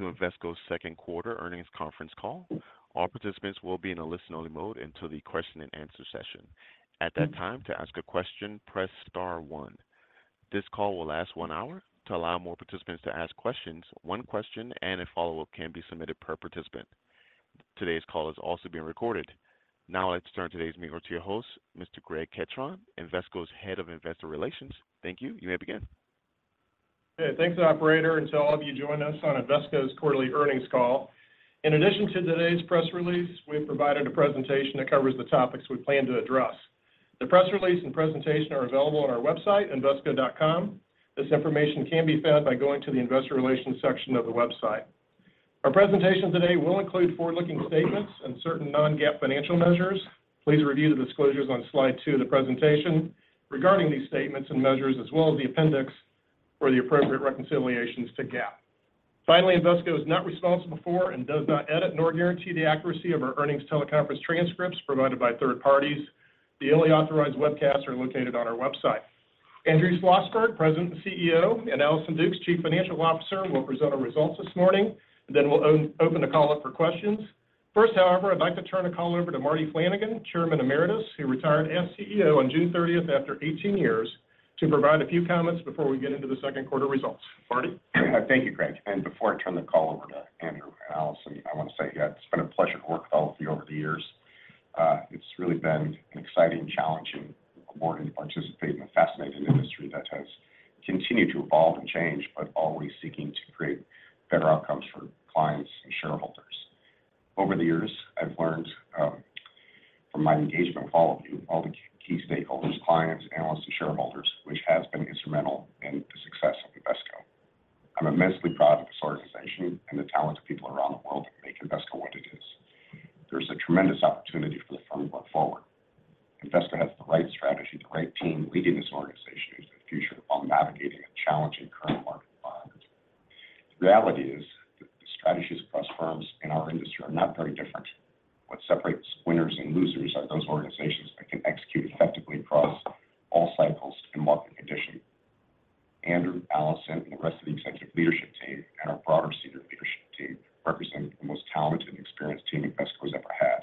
Welcome to Invesco's Q2 earnings conference call. All participants will be in a listen-only mode until the question and answer session. At that time, to ask a question, press star one. This call will last one hour. To allow more participants to ask questions, one question and a follow-up can be submitted per participant. Today's call is also being recorded. Now, let's turn today's meeting over to your host, Mr. Greg Ketron, Invesco's Head of Investor Relations. Thank you. You may begin. Thanks, operator, and to all of you joining us on Invesco's Quarterly Earnings Call. In addition to today's press release, we've provided a presentation that covers the topics we plan to address. The press release and presentation are available on our website, invesco.com. This information can be found by going to the Investor Relations section of the website. Our presentation today will include forward-looking statements and certain non-GAAP financial measures. Please review the disclosures on slide two of the presentation regarding these statements and measures, as well as the appendix for the appropriate reconciliations to GAAP. Invesco is not responsible for and does not edit nor guarantee the accuracy of our earnings teleconference transcripts provided by third parties. The only authorized webcasts are located on our website. Andrew Schlossberg, President and CEO, and Allison Dukes, Chief Financial Officer, will present our results this morning, and then we'll open the call up for questions. First, however, I'd like to turn the call over to Marty Flanagan, Chairman Emeritus, who retired as CEO on June thirtieth after 18 years, to provide a few comments before we get into the Q2 results. Marty? Thank you, Greg. Before I turn the call over to Andrew and Allison, I want to say it's been a pleasure to work with all of you over the years. It's really been an exciting, challenging board, and participate in a fascinating industry that has continued to evolve and change, but always seeking to create better outcomes for clients and shareholders. Over the years, I've learned from my engagement with all of you, all the key stakeholders, clients, analysts, and shareholders, which has been instrumental in the success of Invesco. I'm immensely proud of this organization and the talented people around the world that make Invesco what it is. There's a tremendous opportunity for the firm going forward. Invesco has the right strategy, the right team leading this organization into the future while navigating a challenging current market environment. The reality is that the strategies across firms in our industry are not very different. What separates winners and losers are those organizations that can execute effectively across all cycles and market conditions. Andrew, Allison, and the rest of the executive leadership team and our broader senior leadership team represent the most talented and experienced team Invesco has ever had.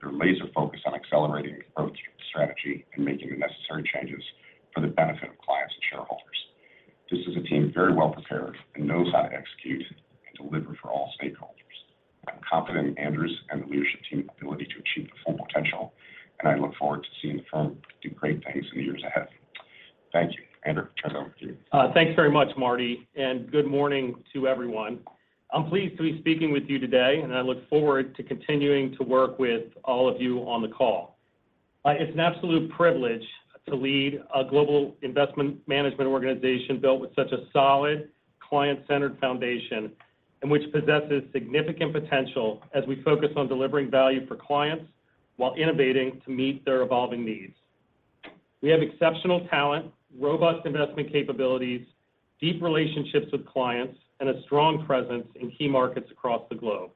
They're laser focused on accelerating the approach, strategy, and making the necessary changes for the benefit of clients and shareholders. This is a team very well prepared and knows how to execute and deliver for all stakeholders. I'm confident in Andrew's and the leadership team's ability to achieve the full potential, and I look forward to seeing the firm do great things in the years ahead. Thank you. Andrew, turn it over to you. Thanks very much, Marty, and good morning to everyone. I'm pleased to be speaking with you today, and I look forward to continuing to work with all of you on the call. It's an absolute privilege to lead a global investment management organization built with such a solid, client-centered foundation and which possesses significant potential as we focus on delivering value for clients while innovating to meet their evolving needs. We have exceptional talent, robust investment capabilities, deep relationships with clients, and a strong presence in key markets across the globe,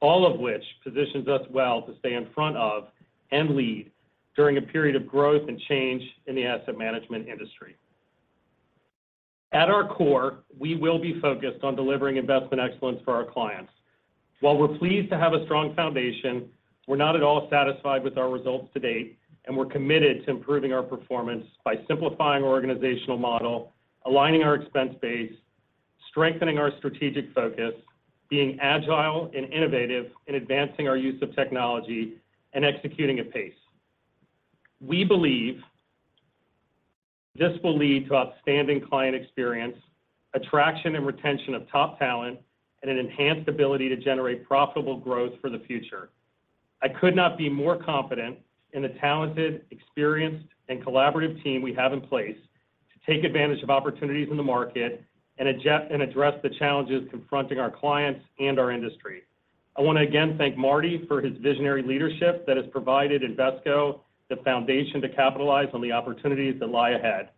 all of which positions us well to stay in front of and lead during a period of growth and change in the asset management industry. At our core, we will be focused on delivering investment excellence for our clients. While we're pleased to have a strong foundation, we're not at all satisfied with our results to date, and we're committed to improving our performance by simplifying our organizational model, aligning our expense base, strengthening our strategic focus, being agile and innovative in advancing our use of technology, and executing at pace. We believe this will lead to outstanding client experience, attraction and retention of top talent, and an enhanced ability to generate profitable growth for the future. I could not be more confident in the talented, experienced, and collaborative team we have in place to take advantage of opportunities in the market and address the challenges confronting our clients and our industry. I want to again thank Marty for his visionary leadership that has provided Invesco the foundation to capitalize on the opportunities that lie ahead.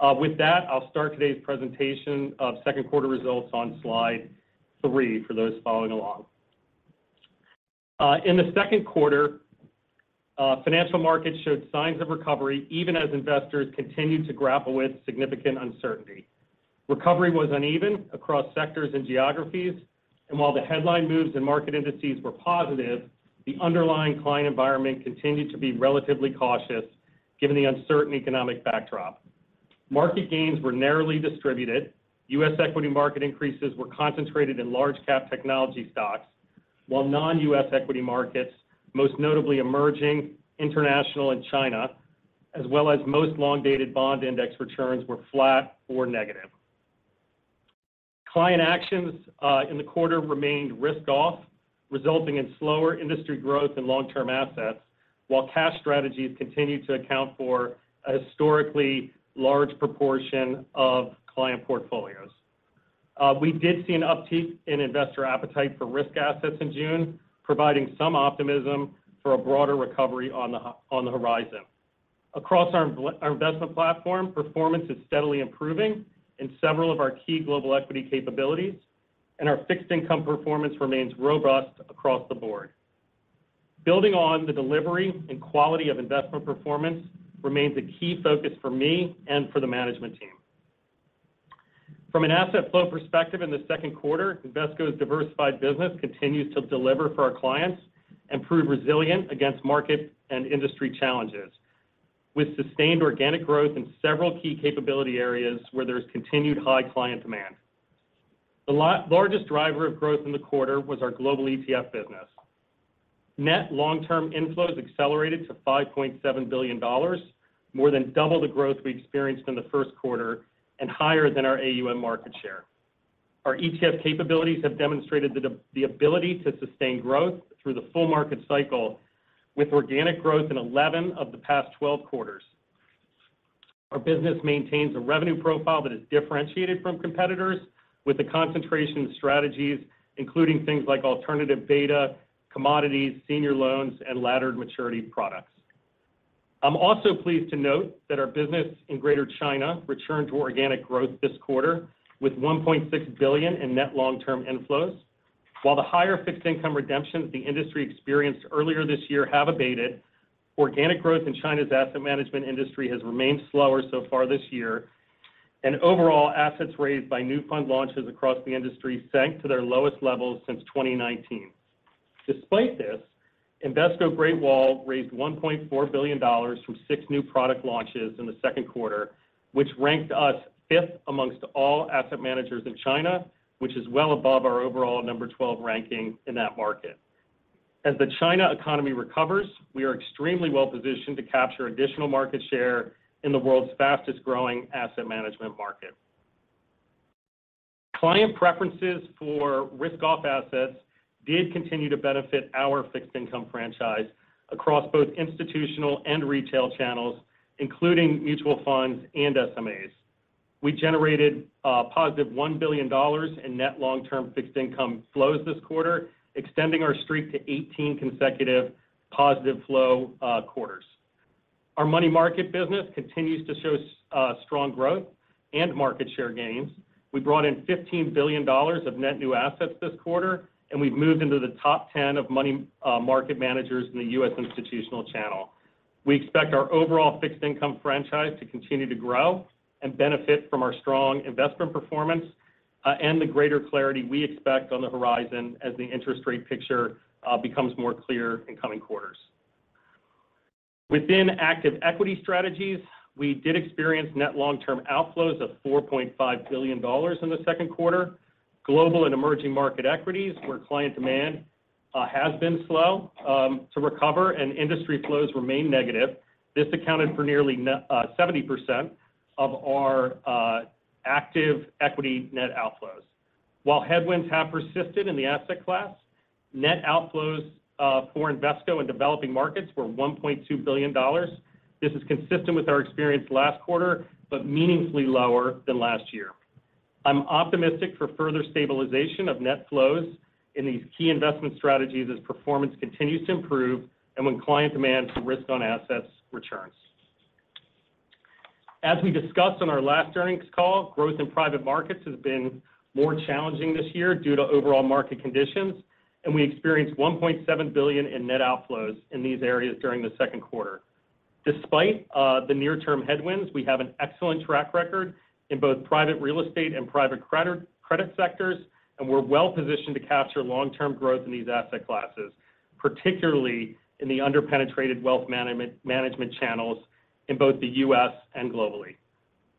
With that, I'll start today's presentation of Q2 results on slide three for those following along. In the Q2, financial markets showed signs of recovery even as investors continued to grapple with significant uncertainty. Recovery was uneven across sectors and geographies, and while the headline moves in market indices were positive, the underlying client environment continued to be relatively cautious given the uncertain economic backdrop. Market gains were narrowly distributed. U.S. equity market increases were concentrated in large cap technology stocks, while non-U.S. equity markets, most notably Emerging, International, and China, as well as most long-dated bond index returns, were flat or negative. Client actions, in the quarter remained risked off, resulting in slower industry growth in long-term assets, while cash strategies continued to account for a historically large proportion of client portfolios. We did see an uptick in investor appetite for risk assets in June, providing some optimism for a broader recovery on the horizon. Across our investment platform, performance is steadily improving in several of our key global equity capabilities, and our fixed income performance remains robust across the board. Building on the delivery and quality of investment performance remains a key focus for me and for the management team. From an asset flow perspective in the Q2, Invesco's diversified business continues to deliver for our clients and prove resilient against market and industry challenges, with sustained organic growth in several key capability areas where there's continued high client demand. The largest driver of growth in the quarter was our global ETF business. Net long-term inflows accelerated to $5.7 billion, more than double the growth we experienced in the Q1 and higher than our AUM market share. Our ETF capabilities have demonstrated the ability to sustain growth through the full market cycle with organic growth in 11 of the past 12 quarters. Our business maintains a revenue profile that is differentiated from competitors, with a concentration in strategies, including things like alternative beta, commodities, senior loans, and laddered maturity products. I'm also pleased to note that our business in Greater China returned to organic growth this quarter with $1.6 billion in net long-term inflows. While the higher fixed income redemptions the industry experienced earlier this year have abated, organic growth in China's asset management industry has remained slower so far this year, and overall, assets raised by new fund launches across the industry sank to their lowest levels since 2019. Despite this, Invesco Great Wall raised $1.4 billion from six new product launches in the Q2, which ranked us fifth amongst all asset managers in China, which is well above our overall number 12 ranking in that market. As the China economy recovers, we are extremely well-positioned to capture additional market share in the world's fastest-growing asset management market. Client preferences for risk-off assets did continue to benefit our fixed income franchise across both institutional and retail channels, including mutual funds and SMAs. We generated positive $1 billion in net long-term fixed income flows this quarter, extending our streak to 18 consecutive positive flow quarters. Our money market business continues to show strong growth and market share gains. We brought in $15 billion of net new assets this quarter, and we've moved into the top 10 of money market managers in the US institutional channel. We expect our overall fixed income franchise to continue to grow and benefit from our strong investment performance and the greater clarity we expect on the horizon as the interest rate picture becomes more clear in coming quarters. Within active equity strategies, we did experience net long-term outflows of $4.5 billion in the Q2. Global and emerging market equities, where client demand has been slow to recover and industry flows remain negative. This accounted for nearly 70% of our active equity net outflows. While headwinds have persisted in the asset class, net outflows for Invesco in developing markets were $1.2 billion. This is consistent with our experience last quarter, meaningfully lower than last year. I'm optimistic for further stabilization of net flows in these key investment strategies as performance continues to improve and when client demand for risk-on assets returns. As we discussed on our last earnings call, growth in private markets has been more challenging this year due to overall market conditions, we experienced $1.7 billion in net outflows in these areas during the Q2. Despite the near-term headwinds, we have an excellent track record in both private real estate and private credit sectors, and we're well positioned to capture long-term growth in these asset classes, particularly in the under-penetrated wealth management channels in both the U.S. and globally.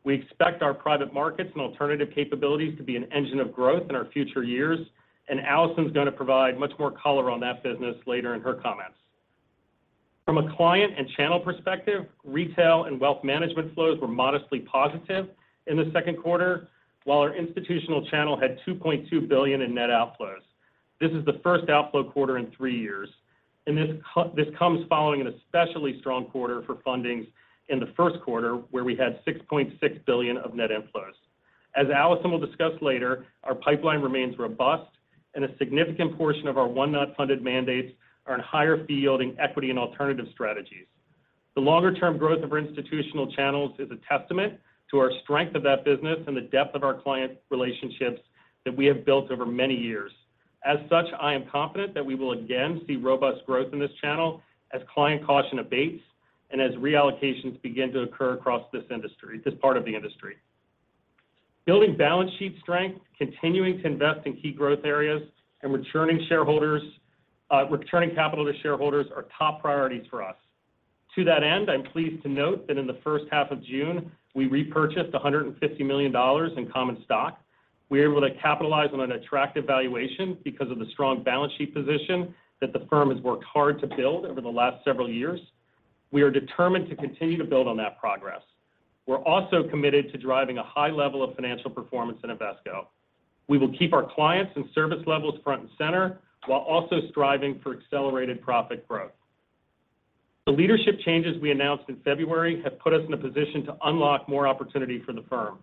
We expect our private markets and alternative capabilities to be an engine of growth in our future years. Allison's going to provide much more color on that business later in her comments. From a client and channel perspective, retail and wealth management flows were modestly positive in the Q2, while our institutional channel had $2.2 billion in net outflows. This is the first outflow quarter in three years, this comes following an especially strong quarter for fundings in the Q1, where we had $6.6 billion of net inflows. As Allison will discuss later, our pipeline remains robust, and a significant portion of our one not funded mandates are in higher fee-yielding equity and alternative strategies. The longer-term growth of our institutional channels is a testament to our strength of that business and the depth of our client relationships that we have built over many years. As such, I am confident that we will again see robust growth in this channel as client caution abates and as reallocations begin to occur across this part of the industry. Building balance sheet strength, continuing to invest in key growth areas, and returning capital to shareholders are top priorities for us. To that end, I'm pleased to note that in the first half of June, we repurchased $150 million in common stock. We are able to capitalize on an attractive valuation because of the strong balance sheet position that the firm has worked hard to build over the last several years. We are determined to continue to build on that progress. We're also committed to driving a high level of financial performance in Invesco. We will keep our clients and service levels front and center, while also striving for accelerated profit growth. The leadership changes we announced in February have put us in a position to unlock more opportunity for the firm,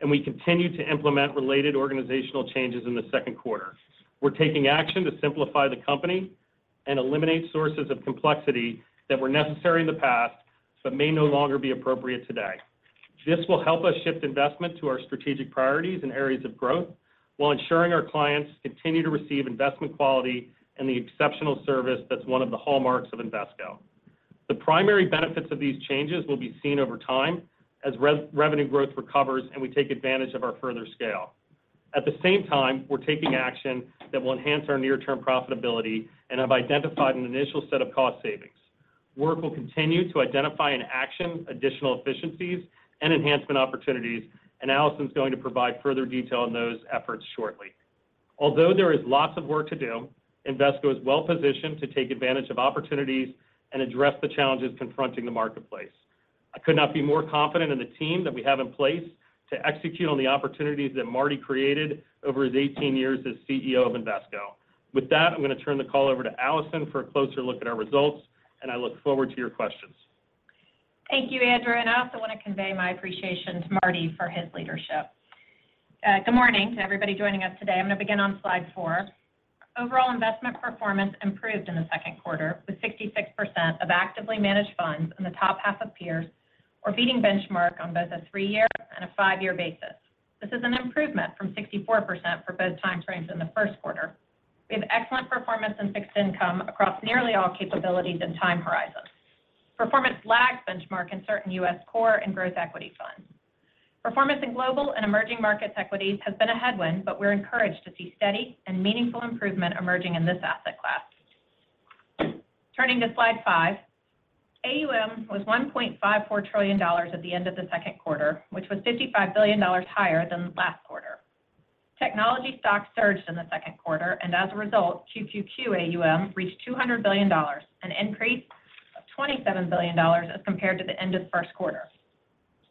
and we continue to implement related organizational changes in the Q2. We're taking action to simplify the company and eliminate sources of complexity that were necessary in the past, but may no longer be appropriate today.... This will help us shift investment to our strategic priorities and areas of growth, while ensuring our clients continue to receive investment quality and the exceptional service that's one of the hallmarks of Invesco. The primary benefits of these changes will be seen over time as revenue growth recovers, and we take advantage of our further scale. At the same time, we're taking action that will enhance our near-term profitability and have identified an initial set of cost savings. Work will continue to identify and action additional efficiencies and enhancement opportunities, and Allison's going to provide further detail on those efforts shortly. Although there is lots of work to do, Invesco is well positioned to take advantage of opportunities and address the challenges confronting the marketplace. I could not be more confident in the team that we have in place to execute on the opportunities that Marty created over his 18 years as CEO of Invesco. With that, I'm going to turn the call over to Allison for a closer look at our results, and I look forward to your questions. Thank you, Andrew, I also want to convey my appreciation to Marty for his leadership. Good morning to everybody joining us today. I'm going to begin on slide four. Overall investment performance improved in the Q2, with 66% of actively managed funds in the top half of peers or beating benchmark on both a three-year and a five-year basis. This is an improvement from 64% for both time frames in the Q1. We have excellent performance in fixed income across nearly all capabilities and time horizons. Performance lagged benchmark in certain U.S. core and growth equity funds. Performance in global and emerging markets equities has been a headwind, but we're encouraged to see steady and meaningful improvement emerging in this asset class. Turning to slide five, AUM was $1.54 trillion at the end of the Q2, which was $55 billion higher than last quarter. Technology stocks surged in the Q2. As a result, QQQ AUM reached $200 billion, an increase of $27 billion as compared to the end of the Q1.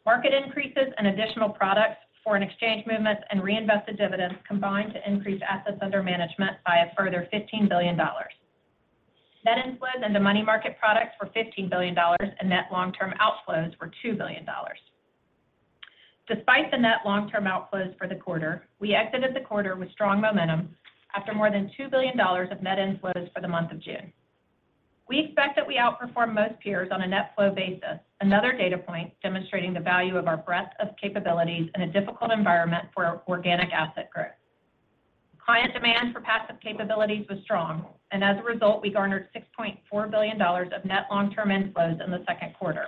Market increases and additional products, foreign exchange movements, and reinvested dividends combined to increase assets under management by a further $15 billion. Net inflows into money market products were $15 billion. Net long-term outflows were $2 billion. Despite the net long-term outflows for the quarter, we exited the quarter with strong momentum after more than $2 billion of net inflows for the month of June. We expect that we outperformed most peers on a net flow basis, another data point demonstrating the value of our breadth of capabilities in a difficult environment for organic asset growth. Client demand for passive capabilities was strong, and as a result, we garnered $6.4 billion of net long-term inflows in the Q2.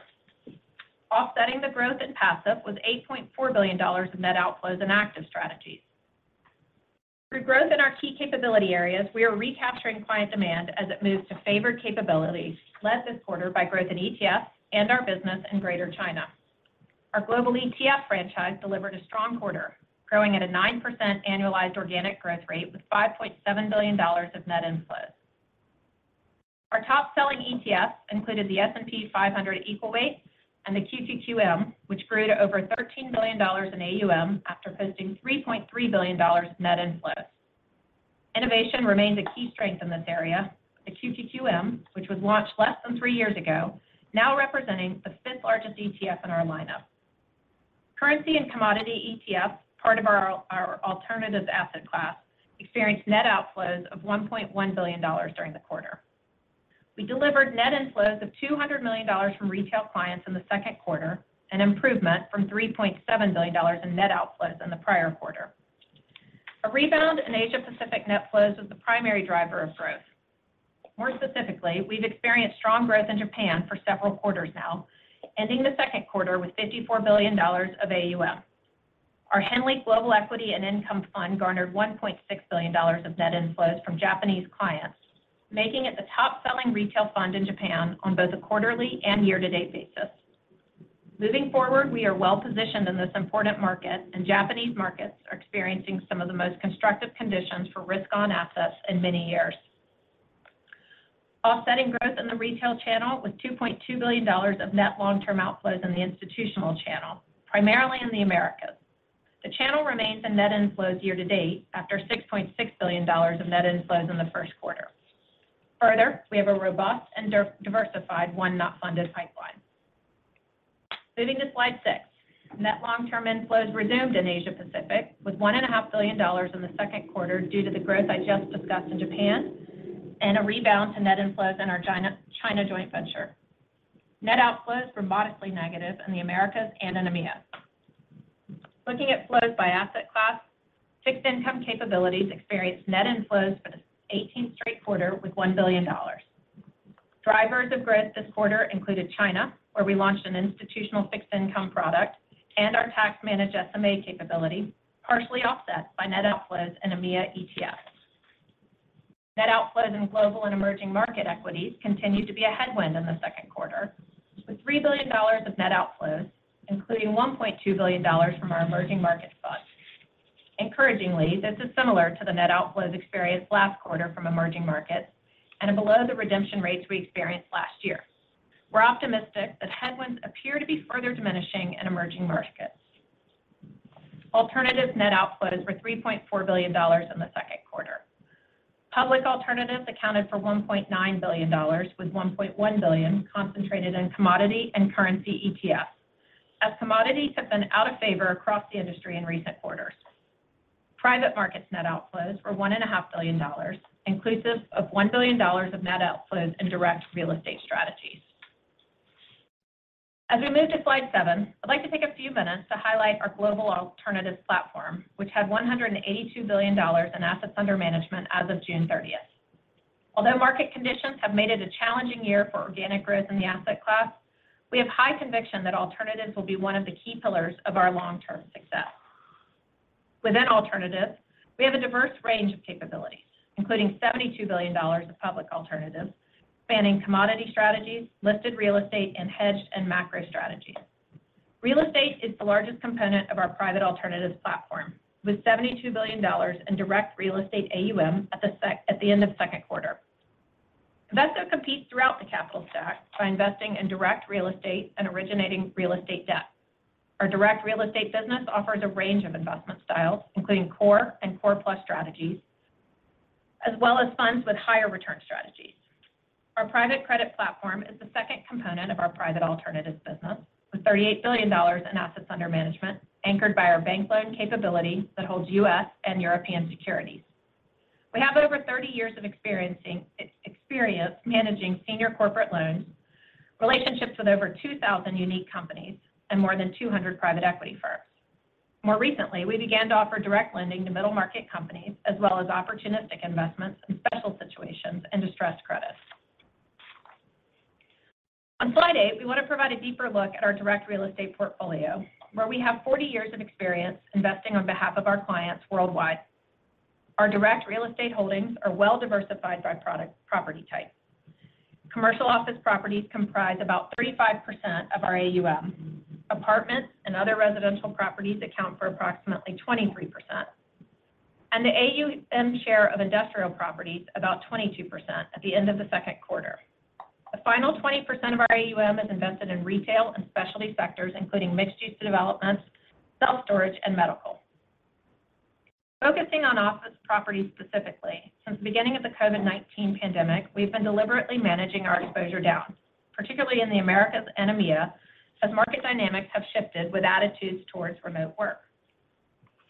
Offsetting the growth in passive was $8.4 billion of net outflows in active strategies. Through growth in our key capability areas, we are recapturing client demand as it moves to favored capabilities, led this quarter by growth in ETFs and our business in Greater China. Our global ETF franchise delivered a strong quarter, growing at a 9% annualized organic growth rate with $5.7 billion of net inflows. Our top-selling ETFs included the S&P 500 Equal Weight and the QQQM, which grew to over $13 billion in AUM after posting $3.3 billion net inflows. Innovation remains a key strength in this area. The QQQM, which was launched less than three years ago, now representing the fifth-largest ETF in our lineup. Currency and commodity ETF, part of our alternative asset class, experienced net outflows of $1.1 billion during the quarter. We delivered net inflows of $200 million from retail clients in the Q2, an improvement from $3.7 billion in net outflows in the prior quarter. A rebound in Asia-Pacific net flows was the primary driver of growth. More specifically, we've experienced strong growth in Japan for several quarters now, ending the Q2 with $54 billion of AUM. Our Henley Global Equity and Income Fund garnered $1.6 billion of net inflows from Japanese clients, making it the top-selling retail fund in Japan on both a quarterly and year-to-date basis. Moving forward, we are well positioned in this important market. Japanese markets are experiencing some of the most constructive conditions for risk-on assets in many years. Offsetting growth in the retail channel was $2.2 billion of net long-term outflows in the institutional channel, primarily in the Americas. The channel remains a net inflows year to date, after $6.6 billion of net inflows in the Q1. Further, we have a robust and diversified, one not funded pipeline. Moving to slide six. Net long-term inflows resumed in Asia-Pacific, with one and a half billion dollars in the Q2 due to the growth I just discussed in Japan and a rebound to net inflows in our China joint venture. Net outflows were modestly negative in the Americas and in EMEA. Looking at flows by asset class, fixed income capabilities experienced net inflows for the 18th straight quarter with $1 billion. Drivers of growth this quarter included China, where we launched an institutional fixed income product and our tax-managed SMA capability, partially offset by net outflows in EMEA ETFs. Net outflows in global and emerging market equities continued to be a headwind in the Q2, with $3 billion of net outflows, including $1.2 billion from our emerging markets funds. Encouragingly, this is similar to the net outflows experienced last quarter from emerging markets and below the redemption rates we experienced last year. We're optimistic that headwinds appear to be further diminishing in emerging markets. Alternative net outflows were $3.4 billion in the Q2. Public alternatives accounted for $1.9 billion, with $1.1 billion concentrated in commodity and currency ETFs, as commodities have been out of favor across the industry in recent quarters. Private markets net outflows were one and a half billion dollars, inclusive of $1 billion of net outflows in direct real estate strategies. We move to slide 7, I'd like to take a few minutes to highlight our global alternatives platform, which had $182 billion in assets under management as of June 30th. Although market conditions have made it a challenging year for organic growth in the asset class, we have high conviction that alternatives will be one of the key pillars of our long-term success. Within alternatives, we have a diverse range of capabilities, including $72 billion of public alternatives, spanning commodity strategies, listed real estate, and hedged and macro strategies. Real estate is the largest component of our private alternatives platform, with $72 billion in direct real estate AUM at the end of the Q2. Invesco competes throughout the capital stack by investing in direct real estate and originating real estate debt. Our direct real estate business offers a range of investment styles, including core and core plus strategies, as well as funds with higher return strategies. Our private credit platform is the second component of our private alternatives business, with $38 billion in assets under management, anchored by our bank loan capability that holds U.S. and European securities. We have over 30 years of experience managing senior corporate loans, relationships with over 2,000 unique companies, and more than 200 private equity firms. More recently, we began to offer direct lending to middle-market companies, as well as opportunistic investments in special situations and distressed credits. On slide eight, we want to provide a deeper look at our direct real estate portfolio, where we have 40 years of experience investing on behalf of our clients worldwide. Our direct real estate holdings are well-diversified by product, property type. Commercial office properties comprise about 35% of our AUM. Apartments and other residential properties account for approximately 23%, and the AUM share of industrial properties about 22% at the end of the Q2. The final 20% of our AUM is invested in retail and specialty sectors, including mixed-use developments, self-storage, and medical. Focusing on office properties specifically, since the beginning of the COVID-19 pandemic, we've been deliberately managing our exposure down, particularly in the Americas and EMEA, as market dynamics have shifted with attitudes towards remote work.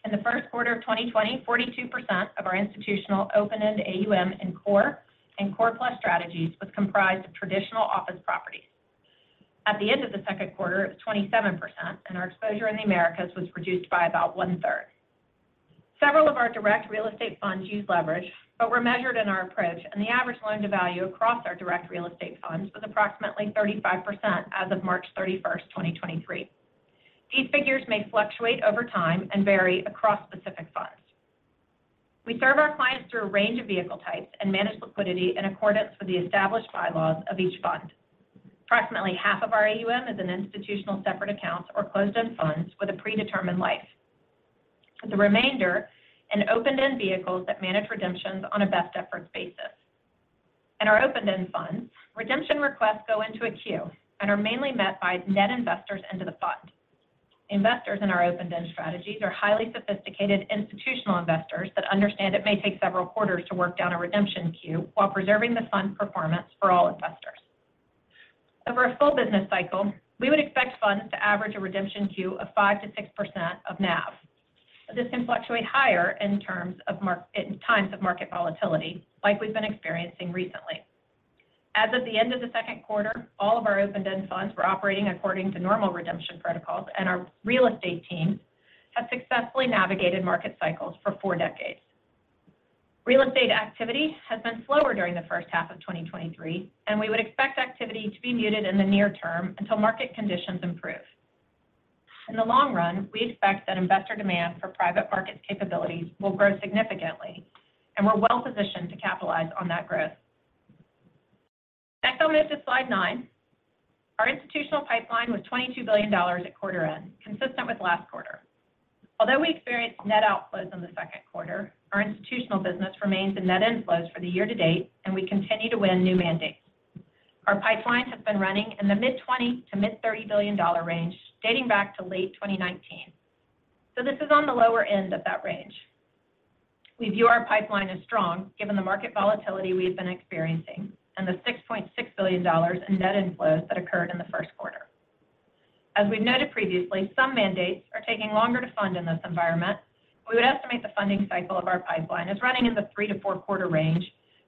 In the Q1 of 2020, 42% of our institutional open-end AUM in core and core plus strategies was comprised of traditional office properties. At the end of the Q2, it was 27%, and our exposure in the Americas was reduced by about one-third. Several of our direct real estate funds use leverage, but we're measured in our approach, and the average loan-to-value across our direct real estate funds was approximately 35% as of March 31st, 2023. These figures may fluctuate over time and vary across specific funds. We serve our clients through a range of vehicle types and manage liquidity in accordance with the established bylaws of each fund. Approximately half of our AUM is in institutional separate accounts or closed-end funds with a predetermined life. The remainder in open-end vehicles that manage redemptions on a best efforts basis. In our open-end funds, redemption requests go into a queue and are mainly met by net investors into the fund. Investors in our open-end strategies are highly sophisticated institutional investors that understand it may take several quarters to work down a redemption queue while preserving the fund's performance for all investors. Over a full business cycle, we would expect funds to average a redemption queue of 5% to 6% of NAV. This can fluctuate higher in times of market volatility, like we've been experiencing recently. As of the end of the Q2, all of our open-end funds were operating according to normal redemption protocols, and our real estate team have successfully navigated market cycles for 4 decades. Real estate activity has been slower during the first half of 2023, and we would expect activity to be muted in the near term until market conditions improve. In the long run, we expect that investor demand for private markets capabilities will grow significantly, we're well positioned to capitalize on that growth. Next, I'll move to slide 9. Our institutional pipeline was $22 billion at quarter end, consistent with last quarter. Although we experienced net outflows in the Q2, our institutional business remains in net inflows for the year to date, and we continue to win new mandates. Our pipelines have been running in the $mid-20 billion-$mid-30 billion range, dating back to late 2019. This is on the lower end of that range. We view our pipeline as strong, given the market volatility we've been experiencing and the $6.6 billion in net inflows that occurred in the Q1. As we've noted previously, some mandates are taking longer to fund in this environment. We would estimate the funding cycle of our pipeline is running in the 3-4 quarter range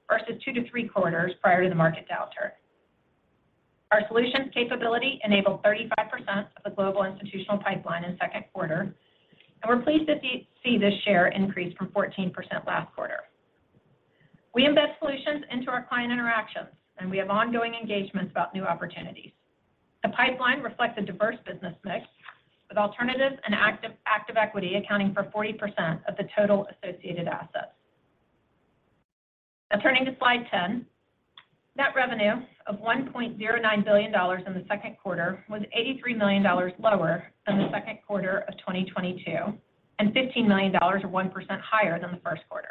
versus 2-3 quarters prior to the market downturn. Our solutions capability enabled 35% of the global institutional pipeline in Q2. We're pleased to see this share increase from 14% last quarter. We invest solutions into our client interactions. We have ongoing engagements about new opportunities. The pipeline reflects a diverse business mix, with alternatives and active equity accounting for 40% of the total associated assets. Turning to slide ten, net revenue of $1.09 billion in the Q2 was $83 million lower than the Q2 of 2022, and $15 million or 1% higher than the Q1.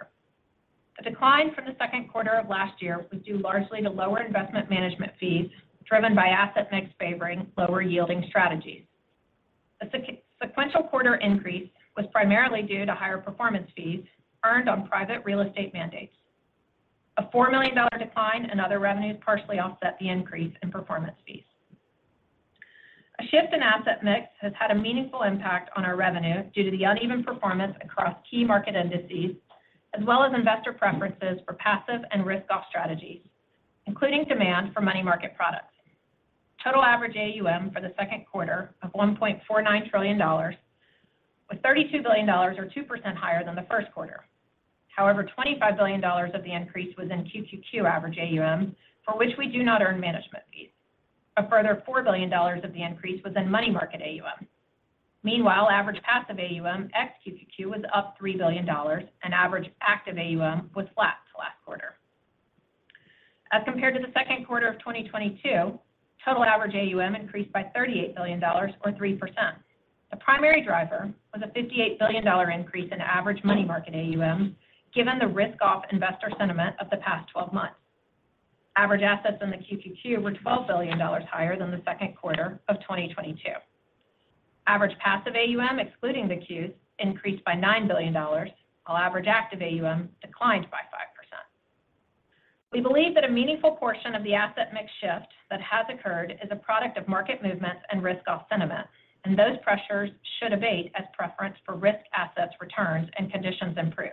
The decline from the Q2 of last year was due largely to lower investment management fees, driven by asset mix favoring lower-yielding strategies. The sequential quarter increase was primarily due to higher performance fees earned on private real estate mandates. A $4 million decline in other revenues partially offset the increase in performance fees. A shift in asset mix has had a meaningful impact on our revenue due to the uneven performance across key market indices, as well as investor preferences for passive and risk-off strategies, including demand for money market products. Total average AUM for the Q2 of $1.49 trillion, was $32 billion or 2% higher than the Q1. $25 billion of the increase was in QQQ average AUM, for which we do not earn management fees. A further $4 billion of the increase was in money market AUM. Meanwhile, average passive AUM ex-QQQ was up $3 billion, and average active AUM was flat to last quarter. As compared to the Q2 of 2022, total average AUM increased by $38 billion or 3%. The primary driver was a $58 billion increase in average money market AUM, given the risk-off investor sentiment of the past 12 months. Average assets in the QQQ were $12 billion higher than the Q2 of 2022. Average passive AUM, excluding the Qs, increased by $9 billion, while average active AUM declined by 5%. We believe that a meaningful portion of the asset mix shift that has occurred is a product of market movements and risk-off sentiment, and those pressures should abate as preference for risk assets returns and conditions improve.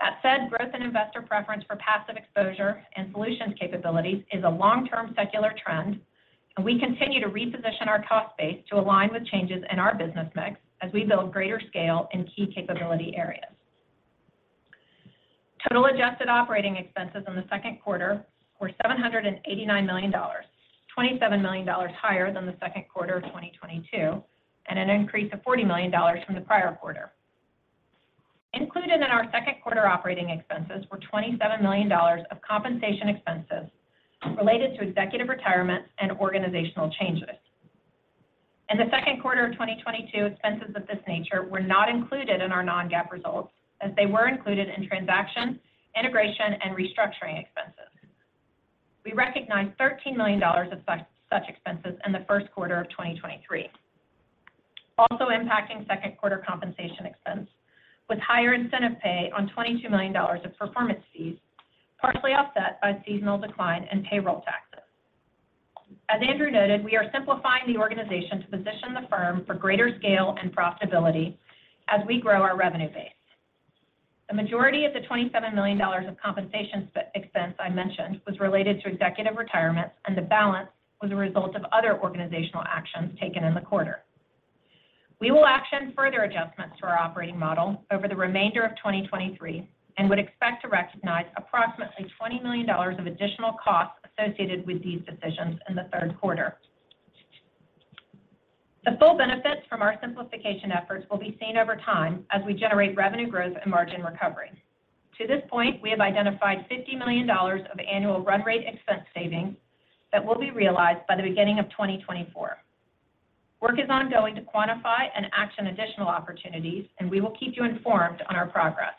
That said, growth in investor preference for passive exposure and solutions capabilities is a long-term secular trend, and we continue to reposition our cost base to align with changes in our business mix as we build greater scale in key capability areas. Total adjusted operating expenses in the Q2 were $789 million, $27 million higher than the Q2 of 2022, an increase of $40 million from the prior quarter. Included in our Q2 operating expenses were $27 million of compensation expenses related to executive retirements and organizational changes. In the Q2 of 2022, expenses of this nature were not included in our non-GAAP results, as they were included in transaction, integration, and restructuring expenses. We recognized $13 million of such expenses in the Q1 of 2023. Also impacting Q2 compensation expense was higher incentive pay on $22 million of performance fees, partially offset by seasonal decline in payroll taxes. As Andrew noted, we are simplifying the organization to position the firm for greater scale and profitability as we grow our revenue base. The majority of the $27 million of compensation expense I mentioned was related to executive retirements, the balance was a result of other organizational actions taken in the quarter. We will action further adjustments to our operating model over the remainder of 2023 and would expect to recognize approximately $20 million of additional costs associated with these decisions in the Q3. The full benefits from our simplification efforts will be seen over time as we generate revenue growth and margin recovery. To this point, we have identified $50 million of annual run rate expense savings that will be realized by the beginning of 2024. Work is ongoing to quantify and action additional opportunities, we will keep you informed on our progress.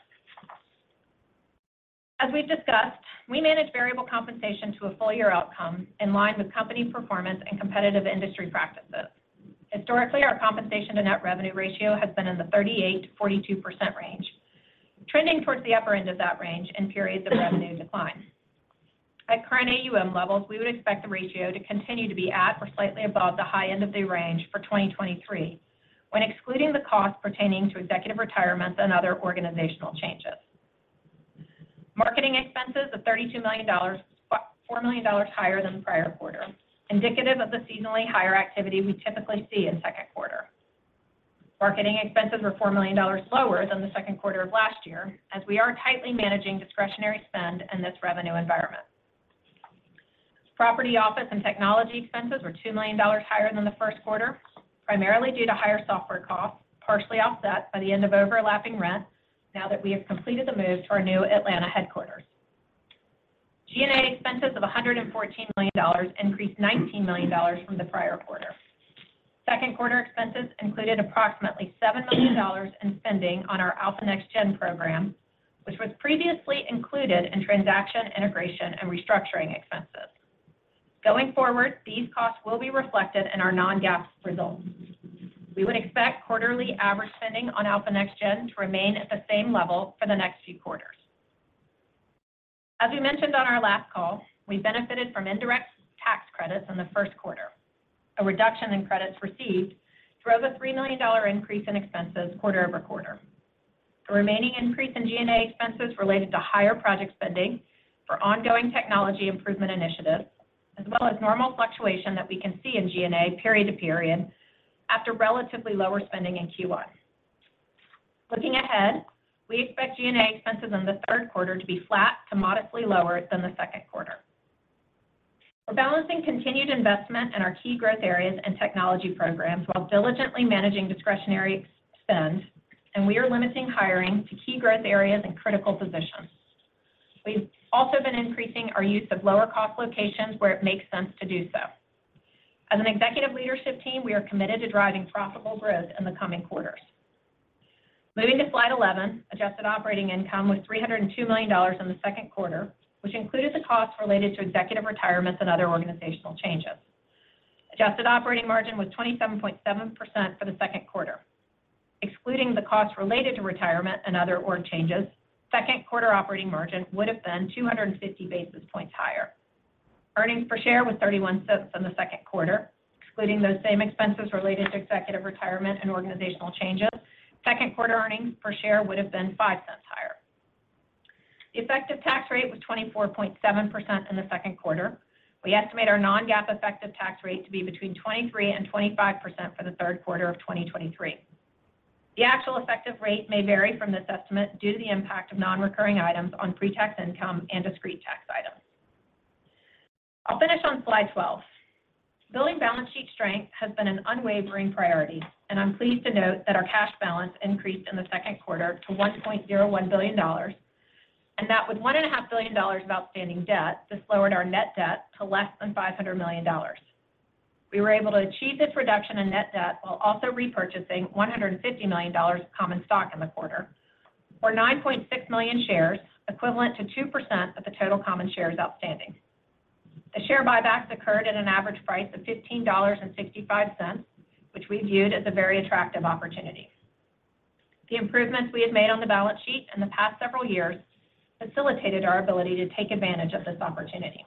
As we've discussed, we manage variable compensation to a full-year outcome in line with company performance and competitive industry practices. Historically, our compensation to net revenue ratio has been in the 38%-42% range, trending towards the upper end of that range in periods of revenue decline. At current AUM levels, we would expect the ratio to continue to be at or slightly above the high end of the range for 2023, when excluding the costs pertaining to executive retirements and other organizational changes. Marketing expenses of $32 million, $4 million higher than the prior quarter, indicative of the seasonally higher activity we typically see in Q2. Marketing expenses were $4 million lower than the Q2 of last year, as we are tightly managing discretionary spend in this revenue environment. Property, office, and technology expenses were $2 million higher than the Q1, primarily due to higher software costs, partially offset by the end of overlapping rent now that we have completed the move to our new Atlanta headquarters. G&A expenses of $114 million increased $19 million from the prior quarter. Q2 expenses included approximately $7 million in spending on our Alpha Next Gen program, which was previously included in transaction, integration, and restructuring expenses. Going forward, these costs will be reflected in our non-GAAP results. We would expect quarterly average spending on Alpha Next Gen to remain at the same level for the next few quarters. As we mentioned on our last call, we benefited from indirect tax credits in the Q1. A reduction in credits received drove a $3 million increase in expenses quarter-over-quarter. The remaining increase in G&A expenses related to higher project spending for ongoing technology improvement initiatives, as well as normal fluctuation that we can see in G&A period to period after relatively lower spending in Q1. Looking ahead, we expect G&A expenses in the Q3 to be flat to modestly lower than the Q2. We're balancing continued investment in our key growth areas and technology programs while diligently managing discretionary spend, and we are limiting hiring to key growth areas and critical positions. We've also been increasing our use of lower-cost locations where it makes sense to do so. As an executive leadership team, we are committed to driving profitable growth in the coming quarters. Moving to slide eleven, adjusted operating income was $302 million in the Q2, which included the costs related to executive retirements and other organizational changes. Adjusted operating margin was 27.7% for the Q2. Excluding the costs related to retirement and other org changes, Q2 operating margin would've been 250 basis points higher. Earnings per share was $0.31 in the Q2, excluding those same expenses related to executive retirement and organizational changes, Q2 earnings per share would've been $0.05 higher. The effective tax rate was 24.7% in the Q2. We estimate our non-GAAP effective tax rate to be between 23% and 25% for the Q3 of 2023. The actual effective rate may vary from this estimate due to the impact of non-recurring items on pre-tax income and discrete tax items. I'll finish on slide 12. Building balance sheet strength has been an unwavering priority, and I'm pleased to note that our cash balance increased in the Q2 to $1.01 billion, and that with one and a half billion dollars of outstanding debt, this lowered our net debt to less than $500 million. We were able to achieve this reduction in net debt while also repurchasing $150 million of common stock in the quarter, or 9.6 million shares, equivalent to 2% of the total common shares outstanding. The share buybacks occurred at an average price of $15.65, which we viewed as a very attractive opportunity. The improvements we have made on the balance sheet in the past several years facilitated our ability to take advantage of this opportunity.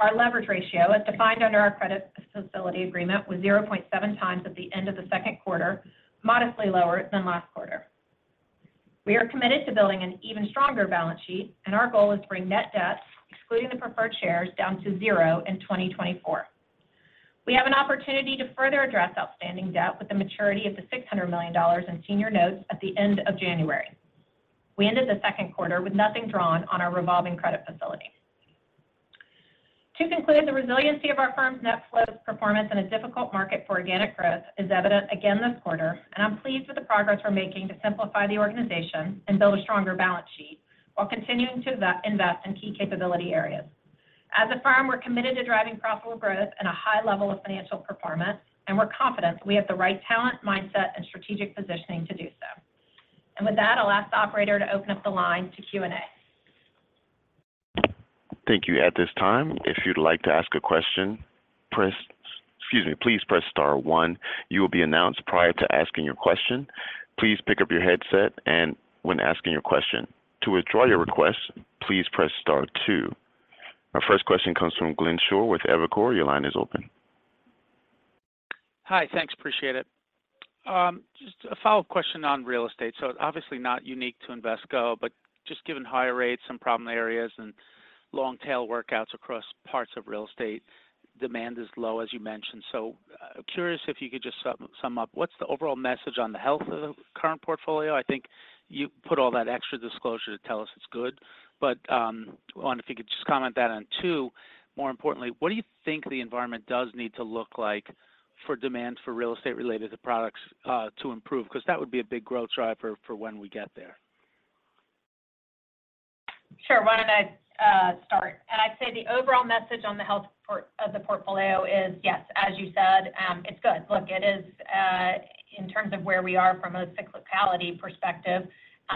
Our leverage ratio, as defined under our credit facility agreement, was 0.7 times at the end of the Q2, modestly lower than last quarter. We are committed to building an even stronger balance sheet, and our goal is to bring net debt, excluding the preferred shares, down to zero in 2024. We have an opportunity to further address outstanding debt with the maturity of the $600 million in senior notes at the end of January. We ended the Q2 with nothing drawn on our revolving credit facility. To conclude, the resiliency of our firm's net flows performance in a difficult market for organic growth is evident again this quarter, and I'm pleased with the progress we're making to simplify the organization and build a stronger balance sheet while continuing to invest in key capability areas. As a firm, we're committed to driving profitable growth and a high level of financial performance, and we're confident we have the right talent, mindset, and strategic positioning to do so. With that, I'll ask the operator to open up the line to Q&A. Thank you. At this time, if you'd like to ask a question, excuse me, please press star one. You will be announced prior to asking your question. Please pick up your headset and when asking your question. To withdraw your request, please press star two. Our first question comes from Glenn Schorr with Evercore. Your line is open. Hi, thanks. Appreciate it. Just a follow-up question on real estate. Obviously not unique to Invesco, but just given higher rates, some problem areas, and long tail workouts across parts of real estate, demand is low, as you mentioned. Curious if you could just sum up what's the overall message on the health of the current portfolio? I think you put all that extra disclosure to tell us it's good, but, I wonder if you could just comment that. Two, more importantly, what do you think the environment does need to look like for demand for real estate-related products to improve? Because that would be a big growth driver for when we get there. Sure. Why don't I start? I'd say the overall message on the health of the portfolio is, yes, as you said, it's good. Look, it is, in terms of where we are from a cyclicality perspective,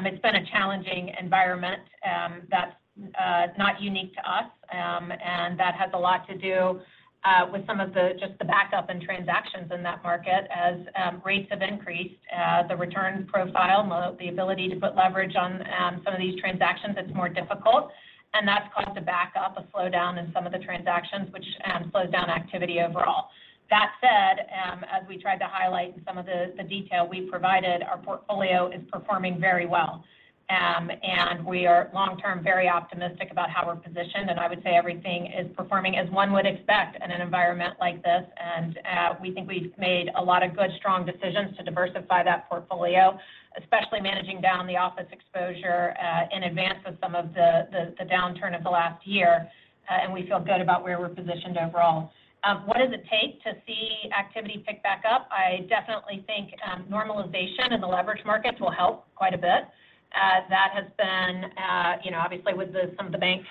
it's been a challenging environment, that's not unique to us. That has a lot to do with some of the, just the backup in transactions in that market. As rates have increased, the return profile, the ability to put leverage on some of these transactions, it's more difficult, and that's caused a backup, a slowdown in some of the transactions, which slows down activity overall. That said, as we tried to highlight in some of the detail we provided, our portfolio is performing very well. We are long-term, very optimistic about how we're positioned, and I would say everything is performing as one would expect in an environment like this. We think we've made a lot of good, strong decisions to diversify that portfolio, especially managing down the office exposure, in advance of some of the downturn of the last year. We feel good about where we're positioned overall. What does it take to see activity pick back up? I definitely think, normalization in the leverage markets will help quite a bit. That has been, you know, obviously, with the, some of the bank,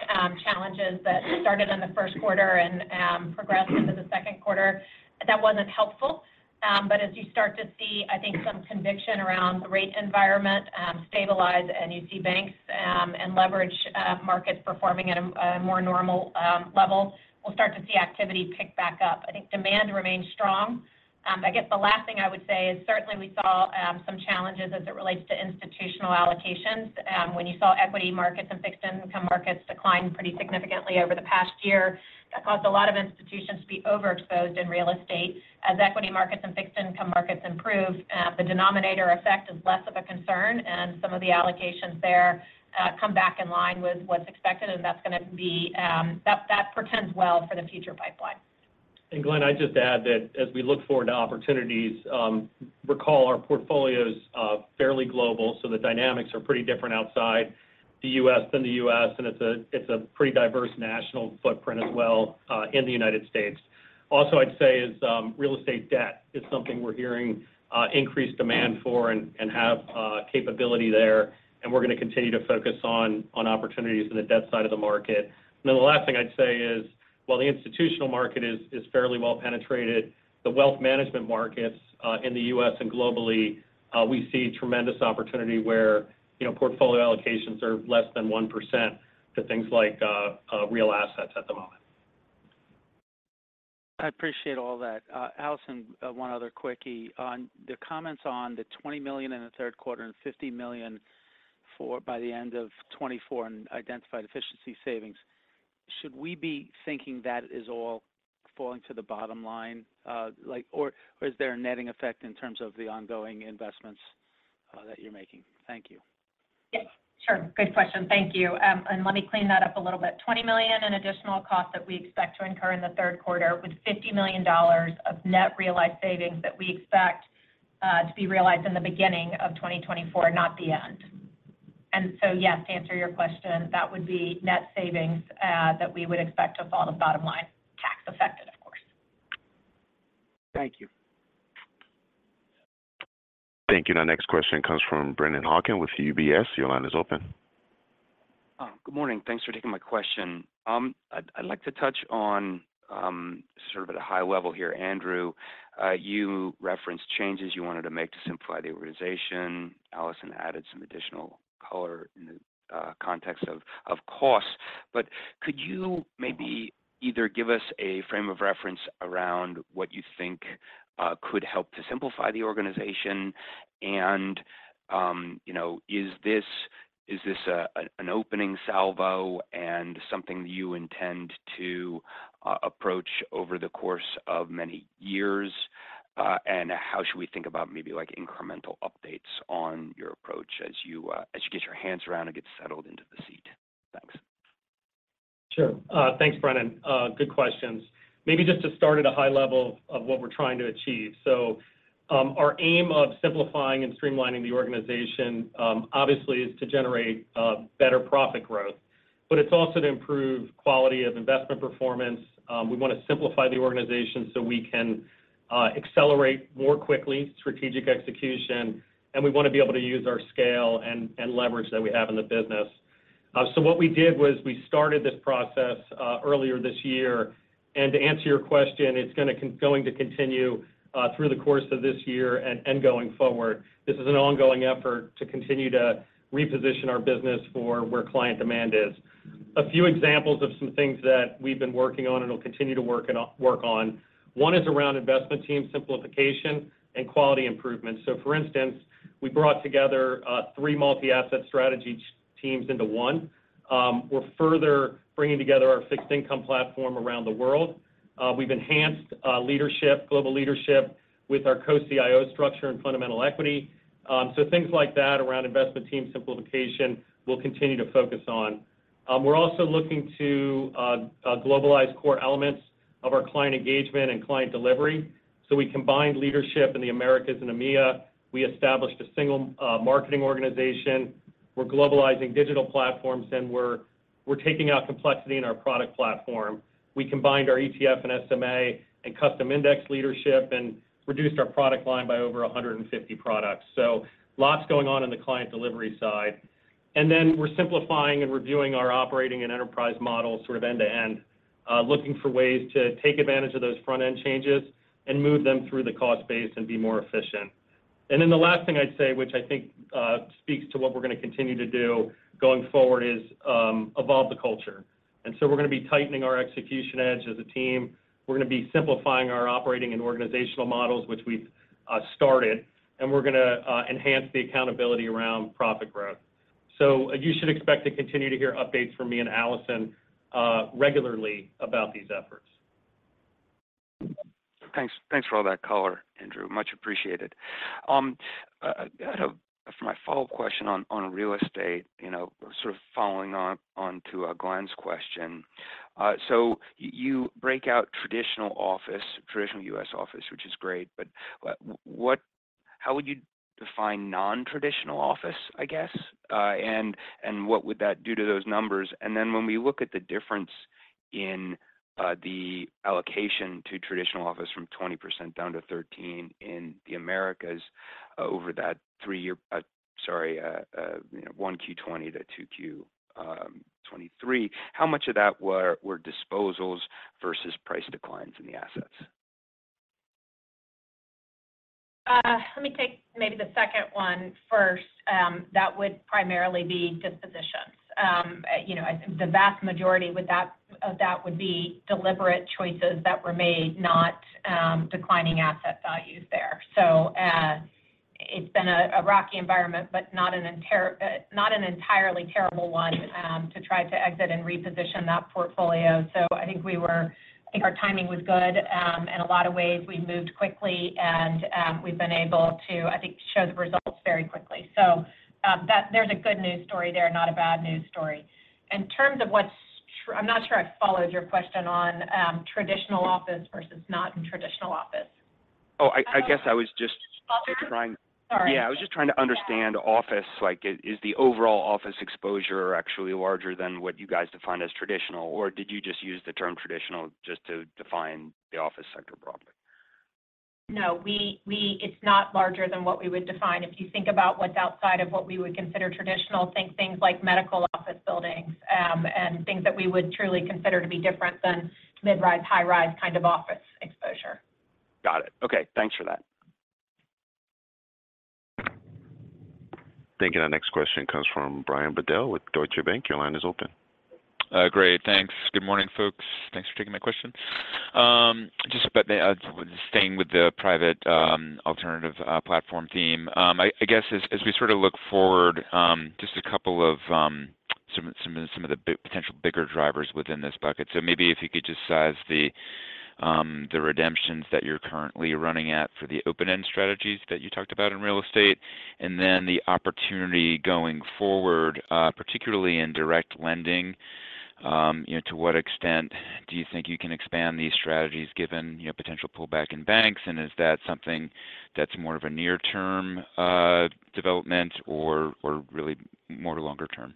challenges that started in the Q1 and progressed into the Q2, that wasn't helpful. As you start to see, I think, some conviction around the rate environment stabilize, and you see banks, and leverage markets performing at a more normal level, we'll start to see activity pick back up. I think demand remains strong. I guess the last thing I would say is certainly we saw some challenges as it relates to institutional allocations. When you saw equity markets and fixed income markets decline pretty significantly over the past year, that caused a lot of institutions to be overexposed in real estate. As equity markets and fixed income markets improve, the denominator effect is less of a concern, and some of the allocations there, come back in line with what's expected, and that's gonna be, that portends well for the future pipeline. Glenn, I'd just add that as we look forward to opportunities, recall our portfolio's fairly global, so the dynamics are pretty different outside the U.S. than the U.S., and it's a pretty diverse national footprint as well in the United States. I'd say is, real estate debt is something we're hearing increased demand for and have capability there, and we're gonna continue to focus on opportunities in the debt side of the market. The last thing I'd say is, while the institutional market is fairly well penetrated, the wealth management markets in the U.S. and globally, we see tremendous opportunity where, you know, portfolio allocations are less than 1% to things like real assets at the moment. I appreciate all that. Allison, one other quickie. On the comments on the $20 million in the Q3 and $50 million by the end of 2024 in identified efficiency savings, should we be thinking that is all falling to the bottom line? Like or is there a netting effect in terms of the ongoing investments that you're making? Thank you. Yes, sure. Good question. Thank you. Let me clean that up a little bit. $20 million in additional costs that we expect to incur in the Q3, with $50 million of net realized savings that we expect to be realized in the beginning of 2024, not the end. Yes, to answer your question, that would be net savings that we would expect to fall on the bottom line, tax affected, of course. Thank you. Thank you. Our next question comes from Brennan Hawken with UBS. Your line is open. Good morning. Thanks for taking my question. I'd like to touch on, sort of at a high level here, Andrew. You referenced changes you wanted to make to simplify the organization. Allison added some additional color in the context of costs. Could you maybe either give us a frame of reference around what you think could help to simplify the organization? You know, is this an opening salvo and something you intend to approach over the course of many years? How should we think about maybe, like, incremental updates on your approach as you get your hands around and get settled into the seat? Thanks. Sure. Thanks, Brennan. Good questions. Maybe just to start at a high level of what we're trying to achieve. Our aim of simplifying and streamlining the organization, obviously, is to generate better profit growth, but it's also to improve quality of investment performance. We want to simplify the organization so we can accelerate more quickly strategic execution, and we want to be able to use our scale and leverage that we have in the business. What we did was we started this process earlier this year. To answer your question, it's going to continue through the course of this year and going forward. This is an ongoing effort to continue to reposition our business for where client demand is. A few examples of some things that we've been working on and will continue to work and work on. One is around investment team simplification and quality improvements. For instance, we brought together three multi-asset strategy teams into one. We're further bringing together our fixed income platform around the world. We've enhanced leadership, global leadership with our co-CIO structure and fundamental equity. Things like that around investment team simplification, we'll continue to focus on. We're also looking to globalize core elements of our client engagement and client delivery. We combined leadership in the Americas and EMEA. We established a single marketing organization. We're globalizing digital platforms, and we're taking out complexity in our product platform. We combined our ETF and SMA and custom index leadership and reduced our product line by over 150 products. Lots going on in the client delivery side. We're simplifying and reviewing our operating and enterprise model, sort of end-to-end, looking for ways to take advantage of those front-end changes and move them through the cost base and be more efficient. The last thing I'd say, which I think speaks to what we're going to continue to do going forward, is, evolve the culture. We're going to be tightening our execution edge as a team. We're going to be simplifying our operating and organizational models, which we've started, and we're going to enhance the accountability around profit growth. You should expect to continue to hear updates from me and Allison regularly about these efforts. Thanks, thanks for all that color, Andrew. Much appreciated. For my follow-up question on real estate, you know, sort of following on to Glenn's question. You break out traditional office, traditional U.S. office, which is great, but how would you define non-traditional office, I guess? What would that do to those numbers? Then when we look at the difference in the allocation to traditional office from 20% down to 13 in the Americas over that three-year, sorry, you know, 1Q 20 to 2Q 23, how much of that were disposals versus price declines in the assets? Let me take maybe the second one first. That would primarily be dispositions. You know, I think the vast majority would that, of that would be deliberate choices that were made, not declining asset values there. It's been a rocky environment, but not an entire, not an entirely terrible one to try to exit and reposition that portfolio. I think our timing was good. In a lot of ways, we moved quickly, and we've been able to, I think, show the results very quickly. There's a good news story there, not a bad news story. In terms of what's I'm not sure I followed your question on traditional office versus not traditional office. Oh, I guess I was. Sorry. I was just trying to understand office. Like, is the overall office exposure actually larger than what you guys define as traditional? Did you just use the term traditional just to define the office sector broadly? No, it's not larger than what we would define. If you think about what's outside of what we would consider traditional, think things like medical office buildings, and things that we would truly consider to be different than mid-rise, high-rise kind of office exposure. Got it. Okay. Thanks for that. Thank you. Our next question comes from Brian Bedell with Deutsche Bank. Your line is open. Great, thanks. Good morning, folks. Thanks for taking my question. Just staying with the private alternative platform theme, I guess as we sort of look forward, just a couple of some of the potential bigger drivers within this bucket. Maybe if you could just size the redemptions that you're currently running at for the open-end strategies that you talked about in real estate, and then the opportunity going forward, particularly in direct lending. You know, to what extent do you think you can expand these strategies given, you know, potential pullback in banks? Is that something that's more of a near-term development or really more longer term?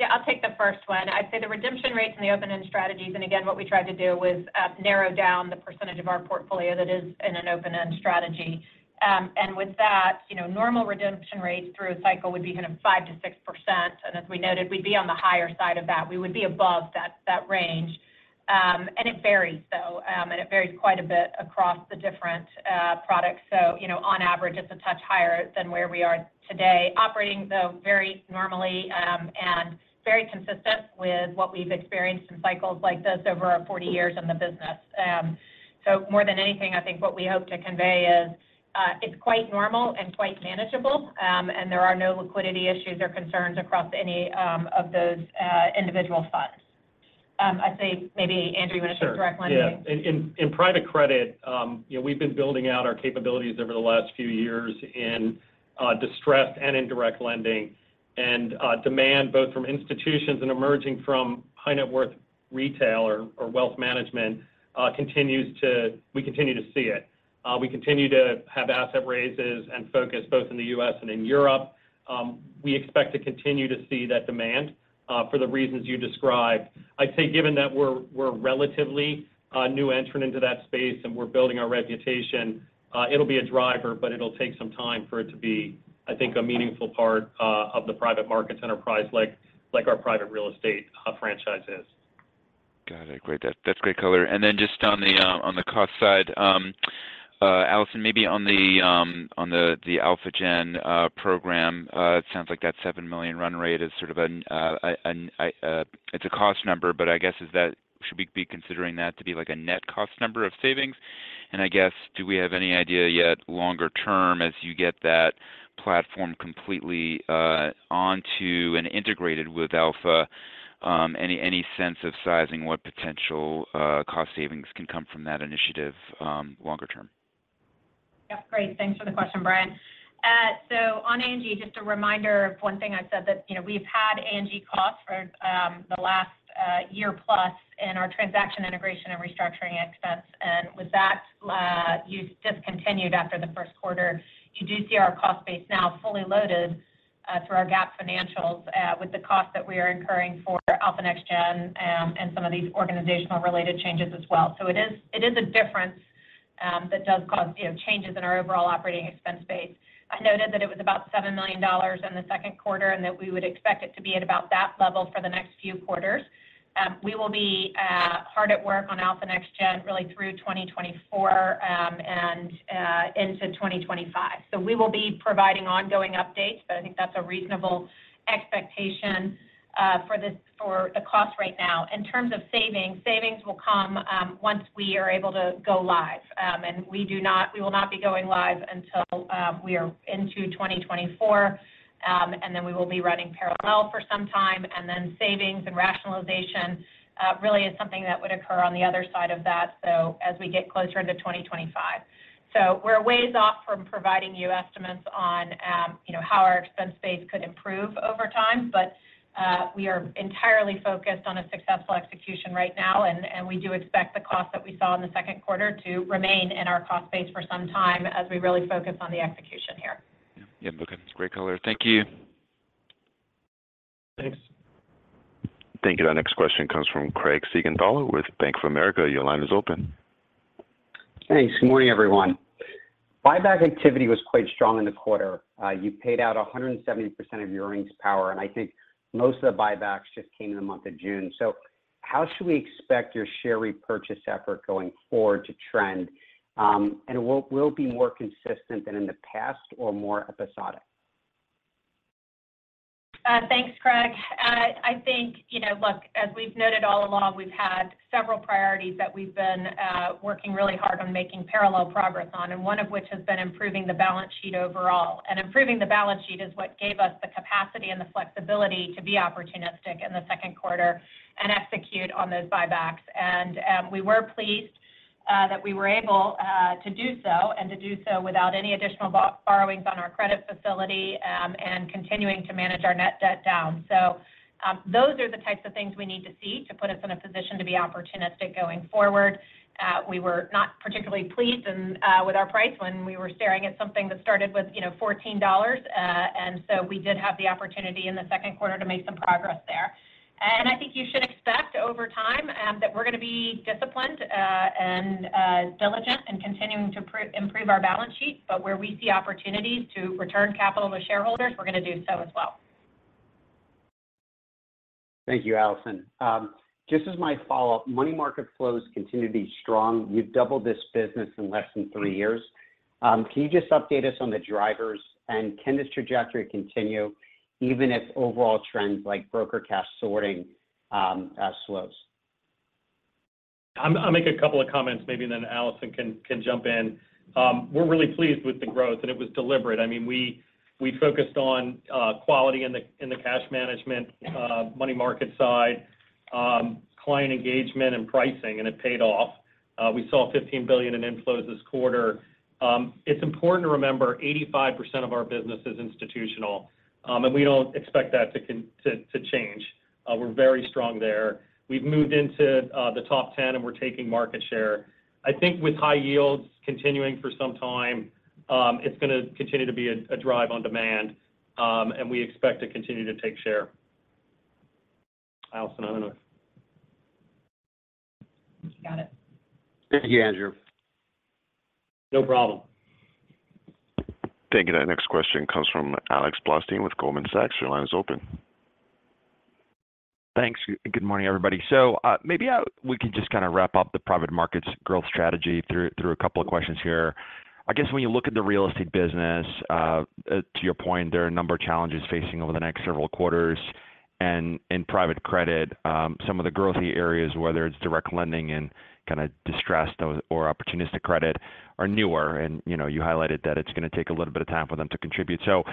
Yeah, I'll take the first one. I'd say the redemption rates and the open-end strategies. Again, what we tried to do was narrow down the percentage of our portfolio that is in an open-end strategy. With that, you know, normal redemption rates through a cycle would be kind of 5%-6%. As we noted, we'd be on the higher side of that. We would be above that range. It varies, though. It varies quite a bit across the different products. You know, on average, it's a touch higher than where we are today. Operating, though, very normally, and very consistent with what we've experienced in cycles like this over our 40 years in the business. More than anything, I think what we hope to convey is, it's quite normal and quite manageable, and there are no liquidity issues or concerns across any of those individual funds. I'd say maybe Andrew, you want to take direct lending? Sure. Yeah. In private credit, you know, we've been building out our capabilities over the last few years in distressed and in direct lending. Demand, both from institutions and emerging from high-net-worth retail or wealth management, we continue to see it. We continue to have asset raises and focus both in the U.S. and in Europe. We expect to continue to see that demand for the reasons you described. I'd say given that we're a relatively new entrant into that space and we're building our reputation, it'll be a driver, but it'll take some time for it to be, I think, a meaningful part of the private markets enterprise like our private real estate franchise is. Got it. Great. That's great color. Just on the cost side, Allison, maybe on the Alpha Gen program, it sounds like that $7 million run rate is sort of a cost number, but I guess, should we be considering that to be like a net cost number of savings? I guess, do we have any idea yet longer term as you get that platform completely onto and integrated with Alpha, any sense of sizing what potential cost savings can come from that initiative longer term? Yeah, great. Thanks for the question, Brian. On ANG, just a reminder of one thing I said that, you know, we've had ANG costs for the last year plus in our transaction integration and restructuring expense. With that, you've discontinued after the Q1. You do see our cost base now fully loaded through our GAAP financials with the cost that we are incurring for Alpha Next Gen and some of these organizational related changes as well. It is a difference that does cause, you know, changes in our overall operating expense base. I noted that it was about $7 million in the Q2, and that we would expect it to be at about that level for the next few quarters. We will be hard at work on Alpha Next Gen, really through 2024, and into 2025. We will be providing ongoing updates, but I think that's a reasonable expectation for this, for the cost right now. In terms of savings will come, once we are able to go live. We will not be going live until we are into 2024. Then we will be running parallel for some time. Then savings and rationalization really is something that would occur on the other side of that, so as we get closer to 2025. We're a ways off from providing you estimates on, you know, how our expense base could improve over time, but, we are entirely focused on a successful execution right now, and we do expect the costs that we saw in the Q2 to remain in our cost base for some time as we really focus on the execution here. Yeah, okay. It's great color. Thank you. Thanks. Thank you. Our next question comes from Craig Siegenthaler with Bank of America. Your line is open. Thanks. Good morning, everyone. Buyback activity was quite strong in the quarter. You paid out 170% of your earnings power, I think most of the buybacks just came in the month of June. How should we expect your share repurchase effort going forward to trend? Will it be more consistent than in the past or more episodic? Thanks, Craig. I think, you know, look, as we've noted all along, we've had several priorities that we've been working really hard on making parallel progress on, and one of which has been improving the balance sheet overall. Improving the balance sheet is what gave us the capacity and the flexibility to be opportunistic in the Q2 and execute on those buybacks. We were pleased that we were able to do so, and to do so without any additional borrowings on our credit facility, and continuing to manage our net debt down. Those are the types of things we need to see to put us in a position to be opportunistic going forward. We were not particularly pleased and with our price when we were staring at something that started with, you know, $14. We did have the opportunity in the Q2 to make some progress there. I think you should expect over time, that we're going to be disciplined, and diligent in continuing to improve our balance sheet, but where we see opportunities to return capital to shareholders, we're going to do so as well. Thank you, Allison. Just as my follow-up, money market flows continue to be strong. You've doubled this business in less than three years. Can you just update us on the drivers? Can this trajectory continue even if overall trends like broker cash sorting, slows? I'll make a couple of comments, maybe then Allison can jump in. We're really pleased with the growth, and it was deliberate. I mean, we focused on quality in the cash management, money market side, client engagement and pricing, and it paid off. We saw $15 billion in inflows this quarter. It's important to remember, 85% of our business is institutional, and we don't expect that to change. We're very strong there. We've moved into the top 10, and we're taking market share. I think with high yields continuing for some time, it's gonna continue to be a drive on demand, and we expect to continue to take share. Allison, I don't know if- Got it. Thank you, Andrew. No problem. Thank you. The next question comes from Alex Blostein with Goldman Sachs. Your line is open. Thanks. Good morning, everybody. Maybe we can just kind of wrap up the private markets growth strategy through a couple of questions here. I guess when you look at the real estate business, to your point, there are a number of challenges facing over the next several quarters. In private credit, some of the growthy areas, whether it's direct lending and kind of distressed or opportunistic credit, are newer and, you know, you highlighted that it's gonna take a little bit of time for them to contribute. How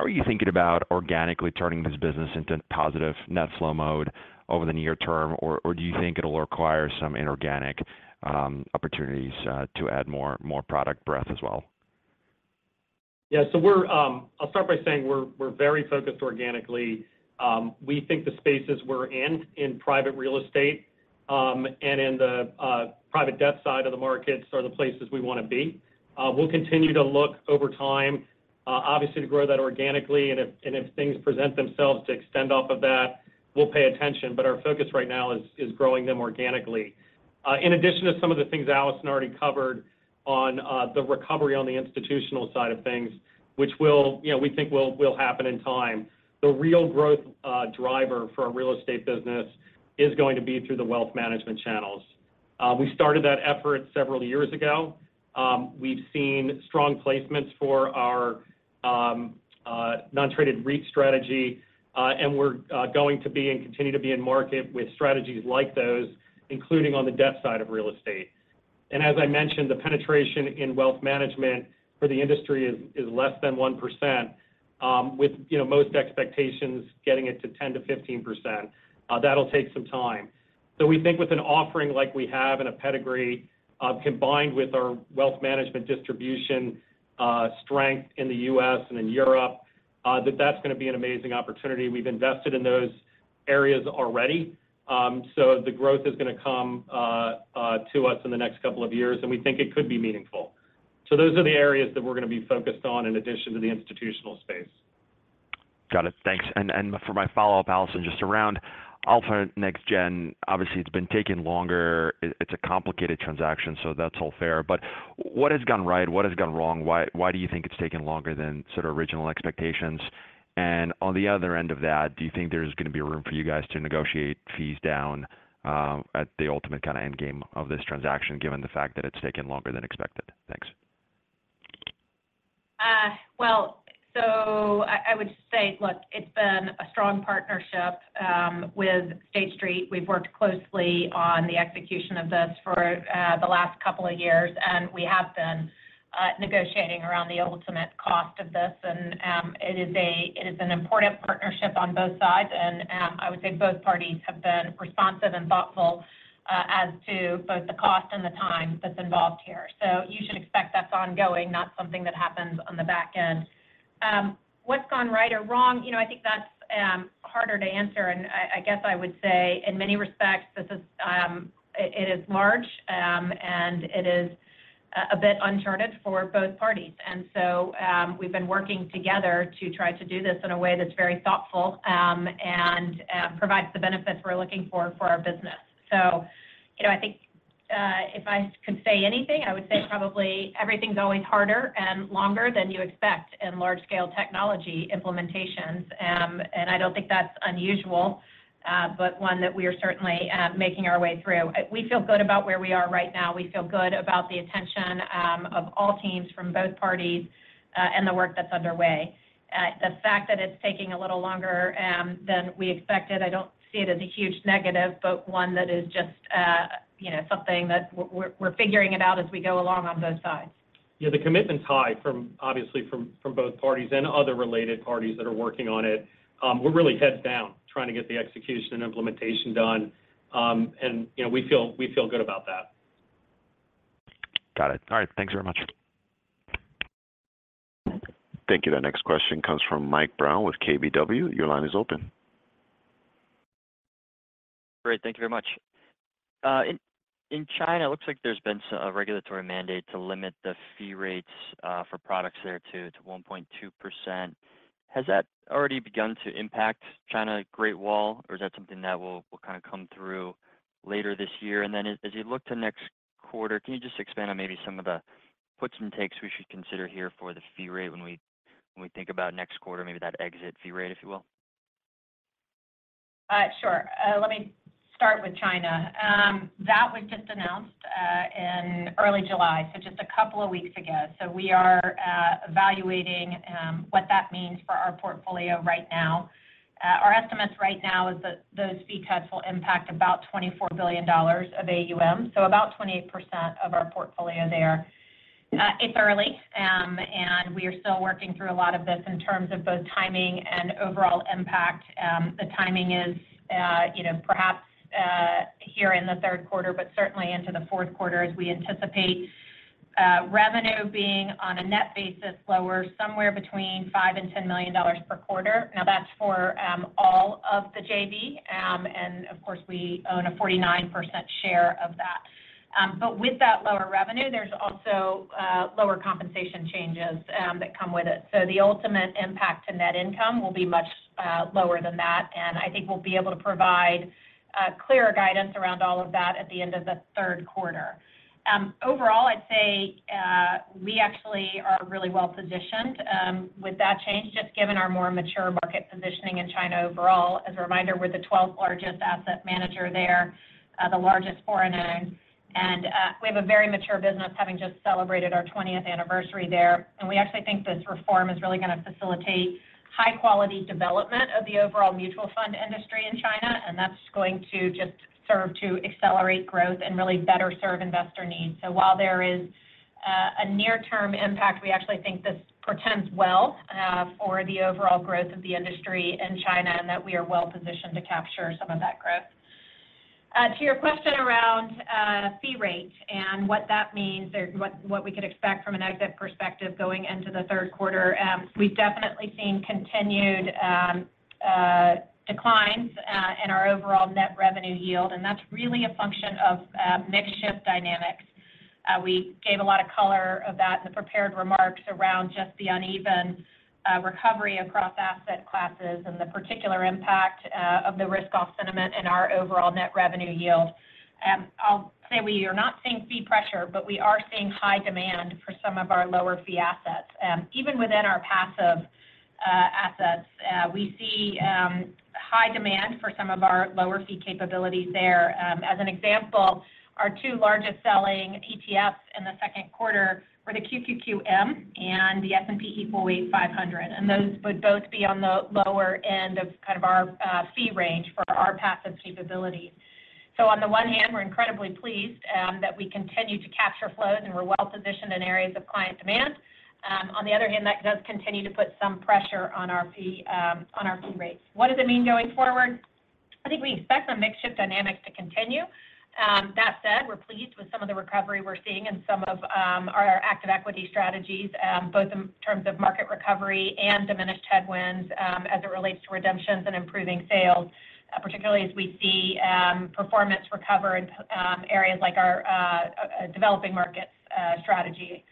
are you thinking about organically turning this business into positive net flow mode over the near term? Or do you think it'll require some inorganic opportunities to add more product breadth as well? Yeah, I'll start by saying we're very focused organically. We think the spaces we're in private real estate, and in the private debt side of the markets are the places we want to be. We'll continue to look over time, obviously, to grow that organically, and if things present themselves to extend off of that, we'll pay attention. Our focus right now is growing them organically. In addition to some of the things Allison already covered on the recovery on the institutional side of things, which will, you know, we think will happen in time. The real growth driver for our real estate business is going to be through the wealth management channels. We started that effort several years ago. We've seen strong placements for our non-traded REIT strategy, and we're going to be and continue to be in market with strategies like those, including on the debt side of real estate. As I mentioned, the penetration in wealth management for the industry is less than 1%, with, you know, most expectations, getting it to 10%-15%. That'll take some time. We think with an offering like we have and a pedigree, combined with our wealth management distribution, strength in the U.S. and in Europe, that that's gonna be an amazing opportunity. We've invested in those areas already, the growth is gonna come to us in the next couple of years, and we think it could be meaningful. Those are the areas that we're going to be focused on in addition to the institutional space. Got it. Thanks. For my follow-up, Allison, just around alternate next gen. Obviously, it's been taking longer. It's a complicated transaction, so that's all fair. What has gone right? What has gone wrong? Why do you think it's taken longer than sort of original expectations? On the other end of that, do you think there's gonna be room for you guys to negotiate fees down at the ultimate kind of end game of this transaction, given the fact that it's taken longer than expected? Thanks. Well, I would say, look, it's been a strong partnership with State Street. We've worked closely on the execution of this for the last couple of years, and we have been negotiating around the ultimate cost of this. It is an important partnership on both sides. I would say both parties have been responsive and thoughtful as to both the cost and the time that's involved here. You should expect that's ongoing, not something that happens on the back end. What's gone right or wrong? You know, I think that's harder to answer, and I guess I would say in many respects, it is large, and it is a bit uncharted for both parties. We've been working together to try to do this in a way that's very thoughtful, and provides the benefits we're looking for for our business. You know, I think, if I could say anything, I would say probably everything's going harder and longer than you expect in large-scale technology implementations. I don't think that's unusual, but one that we are certainly making our way through. We feel good about where we are right now. We feel good about the attention of all teams from both parties, and the work that's underway. The fact that it's taking a little longer than we expected, I don't see it as a huge negative, but one that is just, you know, something that we're figuring it out as we go along on both sides. Yeah, the commitment's high from, obviously, from both parties and other related parties that are working on it. We're really heads down, trying to get the execution and implementation done. You know, we feel good about that. Got it. All right. Thanks very much. Thank you. The next question comes from Mike Brown with KBW. Your line is open. Great. Thank you very much. In China, it looks like there's been a regulatory mandate to limit the fee rates for products there to 1.2%. Has that already begun to impact China Great Wall, or is that something that will kind of come through later this year? As you look to next quarter, can you just expand on maybe some of the puts and takes we should consider here for the fee rate when we think about next quarter, maybe that exit fee rate, if you will? Sure. Let me start with China. That was just announced in early July, so just a couple of weeks ago. We are evaluating what that means for our portfolio right now. Our estimates right now is that those fee cuts will impact about $24 billion of AUM, so about 28% of our portfolio there. It's early, and we are still working through a lot of this in terms of both timing and overall impact. The timing is, you know, perhaps, here in the Q3, but certainly into the Q4, as we anticipate revenue being on a net basis, lower somewhere between $5 million-$10 million per quarter. Now, that's for all of the JV. Of course, we own a 49% share of that. With that lower revenue, there's also lower compensation changes that come with it. The ultimate impact to net income will be much lower than that, and I think we'll be able to provide a clearer guidance around all of that at the end of the Q3. Overall, I'd say we actually are really well positioned with that change, just given our more mature market positioning in China overall. As a reminder, we're the 12th largest asset manager there, the largest foreign owner, and we have a very mature business, having just celebrated our 20th anniversary there. We actually think this reform is really gonna facilitate high quality development of the overall mutual fund industry in China, and that's going to just serve to accelerate growth and really better serve investor needs. While there is a near-term impact, we actually think this portends well for the overall growth of the industry in China, and that we are well positioned to capture some of that growth. To your question around fee rate and what that means or what we could expect from an exit perspective going into the Q3, we've definitely seen continued declines in our overall net revenue yield, and that's really a function of mix shift dynamics. We gave a lot of color of that in the prepared remarks around just the uneven recovery across asset classes and the particular impact of the risk-off sentiment in our overall net revenue yield. I'll say we are not seeing fee pressure, but we are seeing high demand for some of our lower fee assets. Even within our passive assets, we see high demand for some of our lower fee capabilities there. As an example, our two largest selling ETFs in the Q2 were the QQQM and the S&P Equal Weight 500, and those would both be on the lower end of kind of our fee range for our passive capabilities. On the one hand, we're incredibly pleased that we continue to capture flows, and we're well positioned in areas of client demand. On the other hand, that does continue to put some pressure on our fee on our fee rates. What does it mean going forward? I think we expect some mix shift dynamics to continue. That said, we're pleased with some of the recovery we're seeing in some of our active equity strategies, both in terms of market recovery and diminished headwinds as it relates to redemptions and improving sales, particularly as we see performance recover in areas like our developing markets strategy.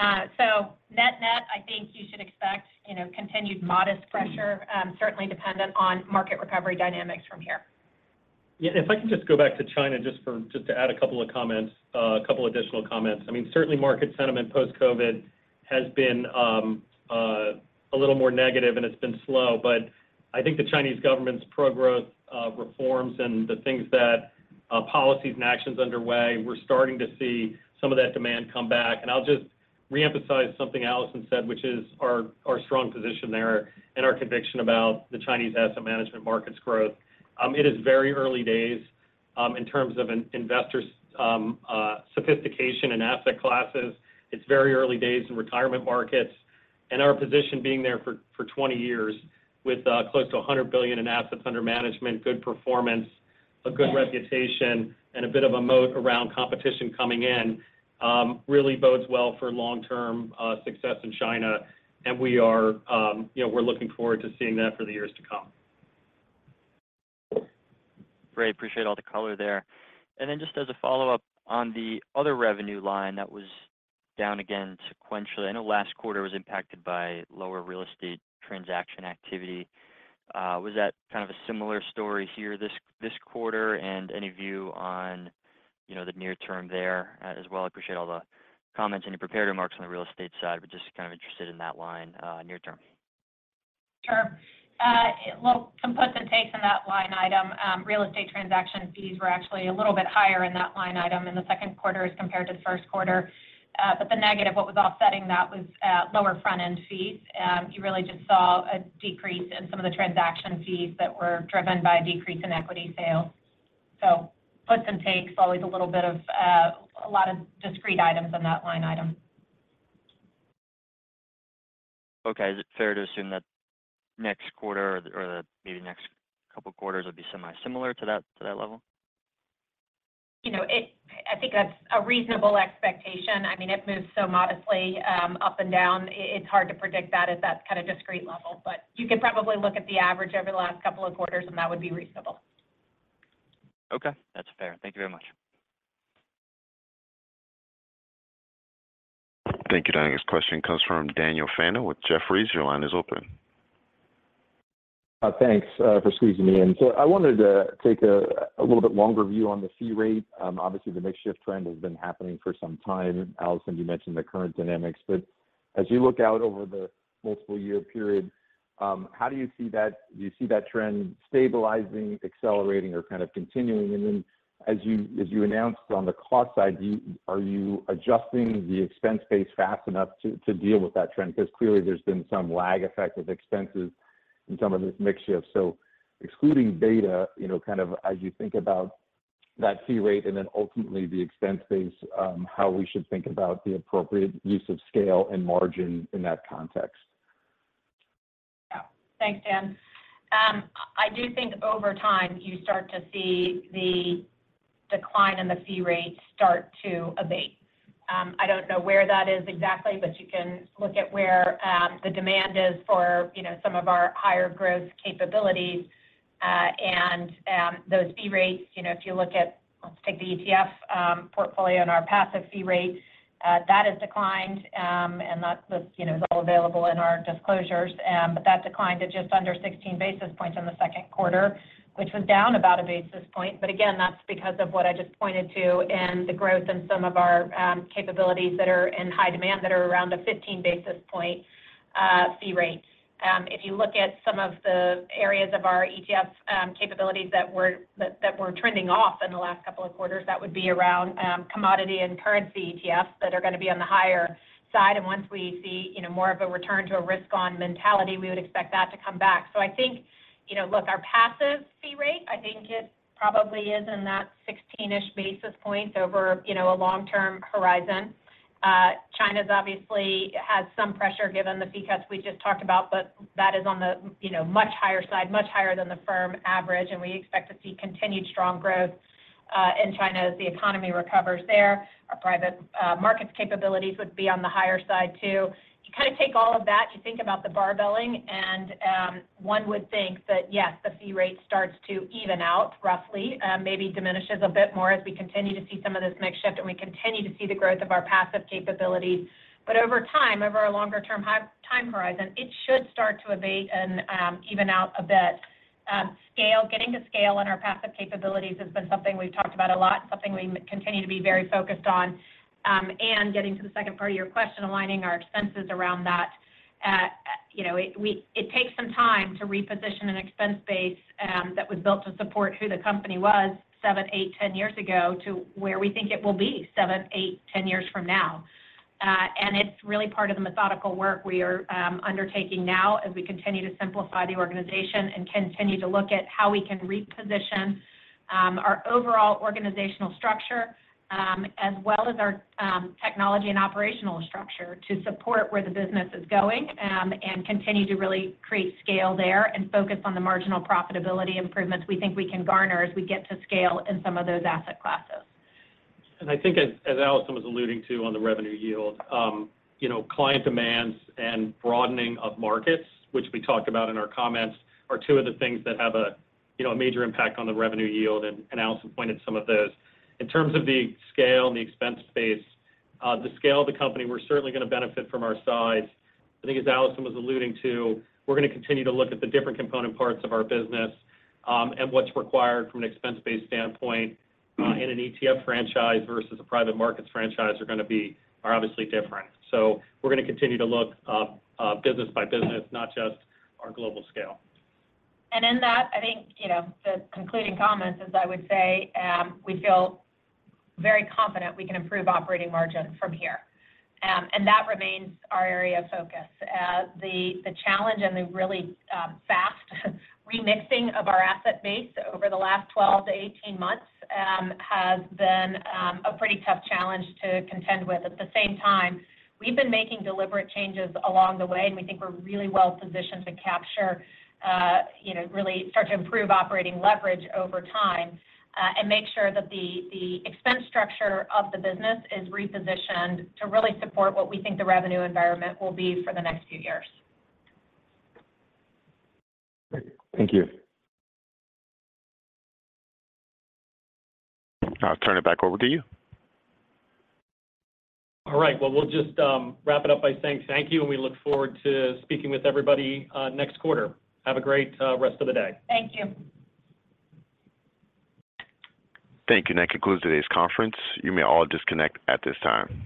Net-net, I think you should expect, you know, continued modest pressure, certainly dependent on market recovery dynamics from here. Yeah, if I can just go back to China just to add a couple of comments, a couple additional comments. I mean, certainly market sentiment post-COVID has been a little more negative and it's been slow, but I think the Chinese government's pro-growth reforms and the things that policies and actions underway, we're starting to see some of that demand come back. I'll just reemphasize something Allison said, which is our strong position there and our conviction about the Chinese asset management markets growth. It is very early days in terms of an investor's sophistication in asset classes. It's very early days in retirement markets. Our position being there for 20 years with close to $100 billion in assets under management, good performance, a good reputation, and a bit of a moat around competition coming in, really bodes well for long-term success in China. We are, you know, we're looking forward to seeing that for the years to come. Great. Appreciate all the color there. Just as a follow-up on the other revenue line that was down again sequentially, I know last quarter was impacted by lower real estate transaction activity. Was that kind of a similar story here this quarter? Any view on, you know, the near term there, as well? I appreciate all the comments in your prepared remarks on the real estate side. Just kind of interested in that line, near term. Sure. Well, some puts and takes in that line item. Real estate transaction fees were actually a little bit higher in that line item in the Q2 as compared to the Q1. The negative, what was offsetting that was, lower front-end fees. You really just saw a decrease in some of the transaction fees that were driven by a decrease in equity sales. Puts and takes, always a little bit of, a lot of discrete items in that line item. Okay. Is it fair to assume that next quarter or maybe the next couple of quarters would be semi-similar to that level? You know, I think that's a reasonable expectation. I mean, it moves so modestly, up and down. It's hard to predict that at that kind of discrete level, but you could probably look at the average over the last couple of quarters, and that would be reasonable. Okay, that's fair. Thank you very much. Thank you. The next question comes from Daniel Fannon with Jefferies. Your line is open. thanks for squeezing me in. I wanted to take a little bit longer view on the fee rate. Obviously, the mix shift trend has been happening for some time. Allison, you mentioned the current dynamics, but as you look out over the multiple-year period, how do you see that trend stabilizing, accelerating, or kind of continuing? Then, as you announced on the cost side, are you adjusting the expense base fast enough to deal with that trend? Because clearly there's been some lag effect of expenses in some of this mix shift. Excluding beta, you know, kind of as you think about that fee rate and then ultimately the expense base, how we should think about the appropriate use of scale and margin in that context. Yeah. Thanks, Dan. I do think over time, you start to see the decline in the fee rate start to abate. I don't know where that is exactly, but you can look at where the demand is for, you know, some of our higher growth capabilities. Those fee rates, you know, if you look at, let's take the ETF portfolio and our passive fee rate, that has declined, and that's, you know, is all available in our disclosures. That declined to just under 16 basis points in the Q2, which was down about 1 basis point. Again, that's because of what I just pointed to and the growth in some of our capabilities that are in high demand that are around a 15 basis point fee rate. If you look at some of the areas of our ETF capabilities that were trending off in the last couple of quarters, that would be around commodity and currency ETFs that are going to be on the higher side. Once we see, you know, more of a return to a risk-on mentality, we would expect that to come back. I think, you know, look, our passive fee rate, I think it probably is in that 16-ish basis points over, you know, a long-term horizon. China's obviously has some pressure given the fee cuts we just talked about, but that is on the, you know, much higher side, much higher than the firm average, and we expect to see continued strong growth in China as the economy recovers there. Our private markets capabilities would be on the higher side, too. You kind of take all of that, you think about the barbelling. One would think that, yes, the fee rate starts to even out roughly, maybe diminishes a bit more as we continue to see some of this mix shift, and we continue to see the growth of our passive capabilities. Over time, over a longer-term high time horizon, it should start to abate and even out a bit. Scale, getting to scale in our passive capabilities has been something we've talked about a lot, something we continue to be very focused on. Getting to the second part of your question, aligning our expenses around that. You know, it takes some time to reposition an expense base that was built to support who the company was 7, 8, 10 years ago, to where we think it will be 7, 8, 10 years from now. It's really part of the methodical work we are undertaking now as we continue to simplify the organization and continue to look at how we can reposition our overall organizational structure, as well as our technology and operational structure to support where the business is going, and continue to really create scale there and focus on the marginal profitability improvements we think we can garner as we get to scale in some of those asset classes. I think as Allison was alluding to on the revenue yield, you know, client demands and broadening of markets, which we talked about in our comments, are two of the things that have a, you know, a major impact on the revenue yield, and Allison pointed some of those. In terms of the scale and the expense base, the scale of the company, we're certainly going to benefit from our size. I think as Allison was alluding to, we're going to continue to look at the different component parts of our business, and what's required from an expense base standpoint, in an ETF franchise versus a private markets franchise are obviously different. We're going to continue to look business by business, not just our global scale. In that, I think, you know, the concluding comments, as I would say, we feel very confident we can improve operating margin from here. That remains our area of focus. The challenge and the really fast remixing of our asset base over the last 12 to 18 months has been a pretty tough challenge to contend with. At the same time, we've been making deliberate changes along the way, and we think we're really well positioned to capture, you know, really start to improve operating leverage over time, and make sure that the expense structure of the business is repositioned to really support what we think the revenue environment will be for the next few years. Great. Thank you. I'll turn it back over to you. All right, well, we'll just wrap it up by saying thank you, and we look forward to speaking with everybody next quarter. Have a great rest of the day. Thank you. Thank you. That concludes today's conference. You may all disconnect at this time.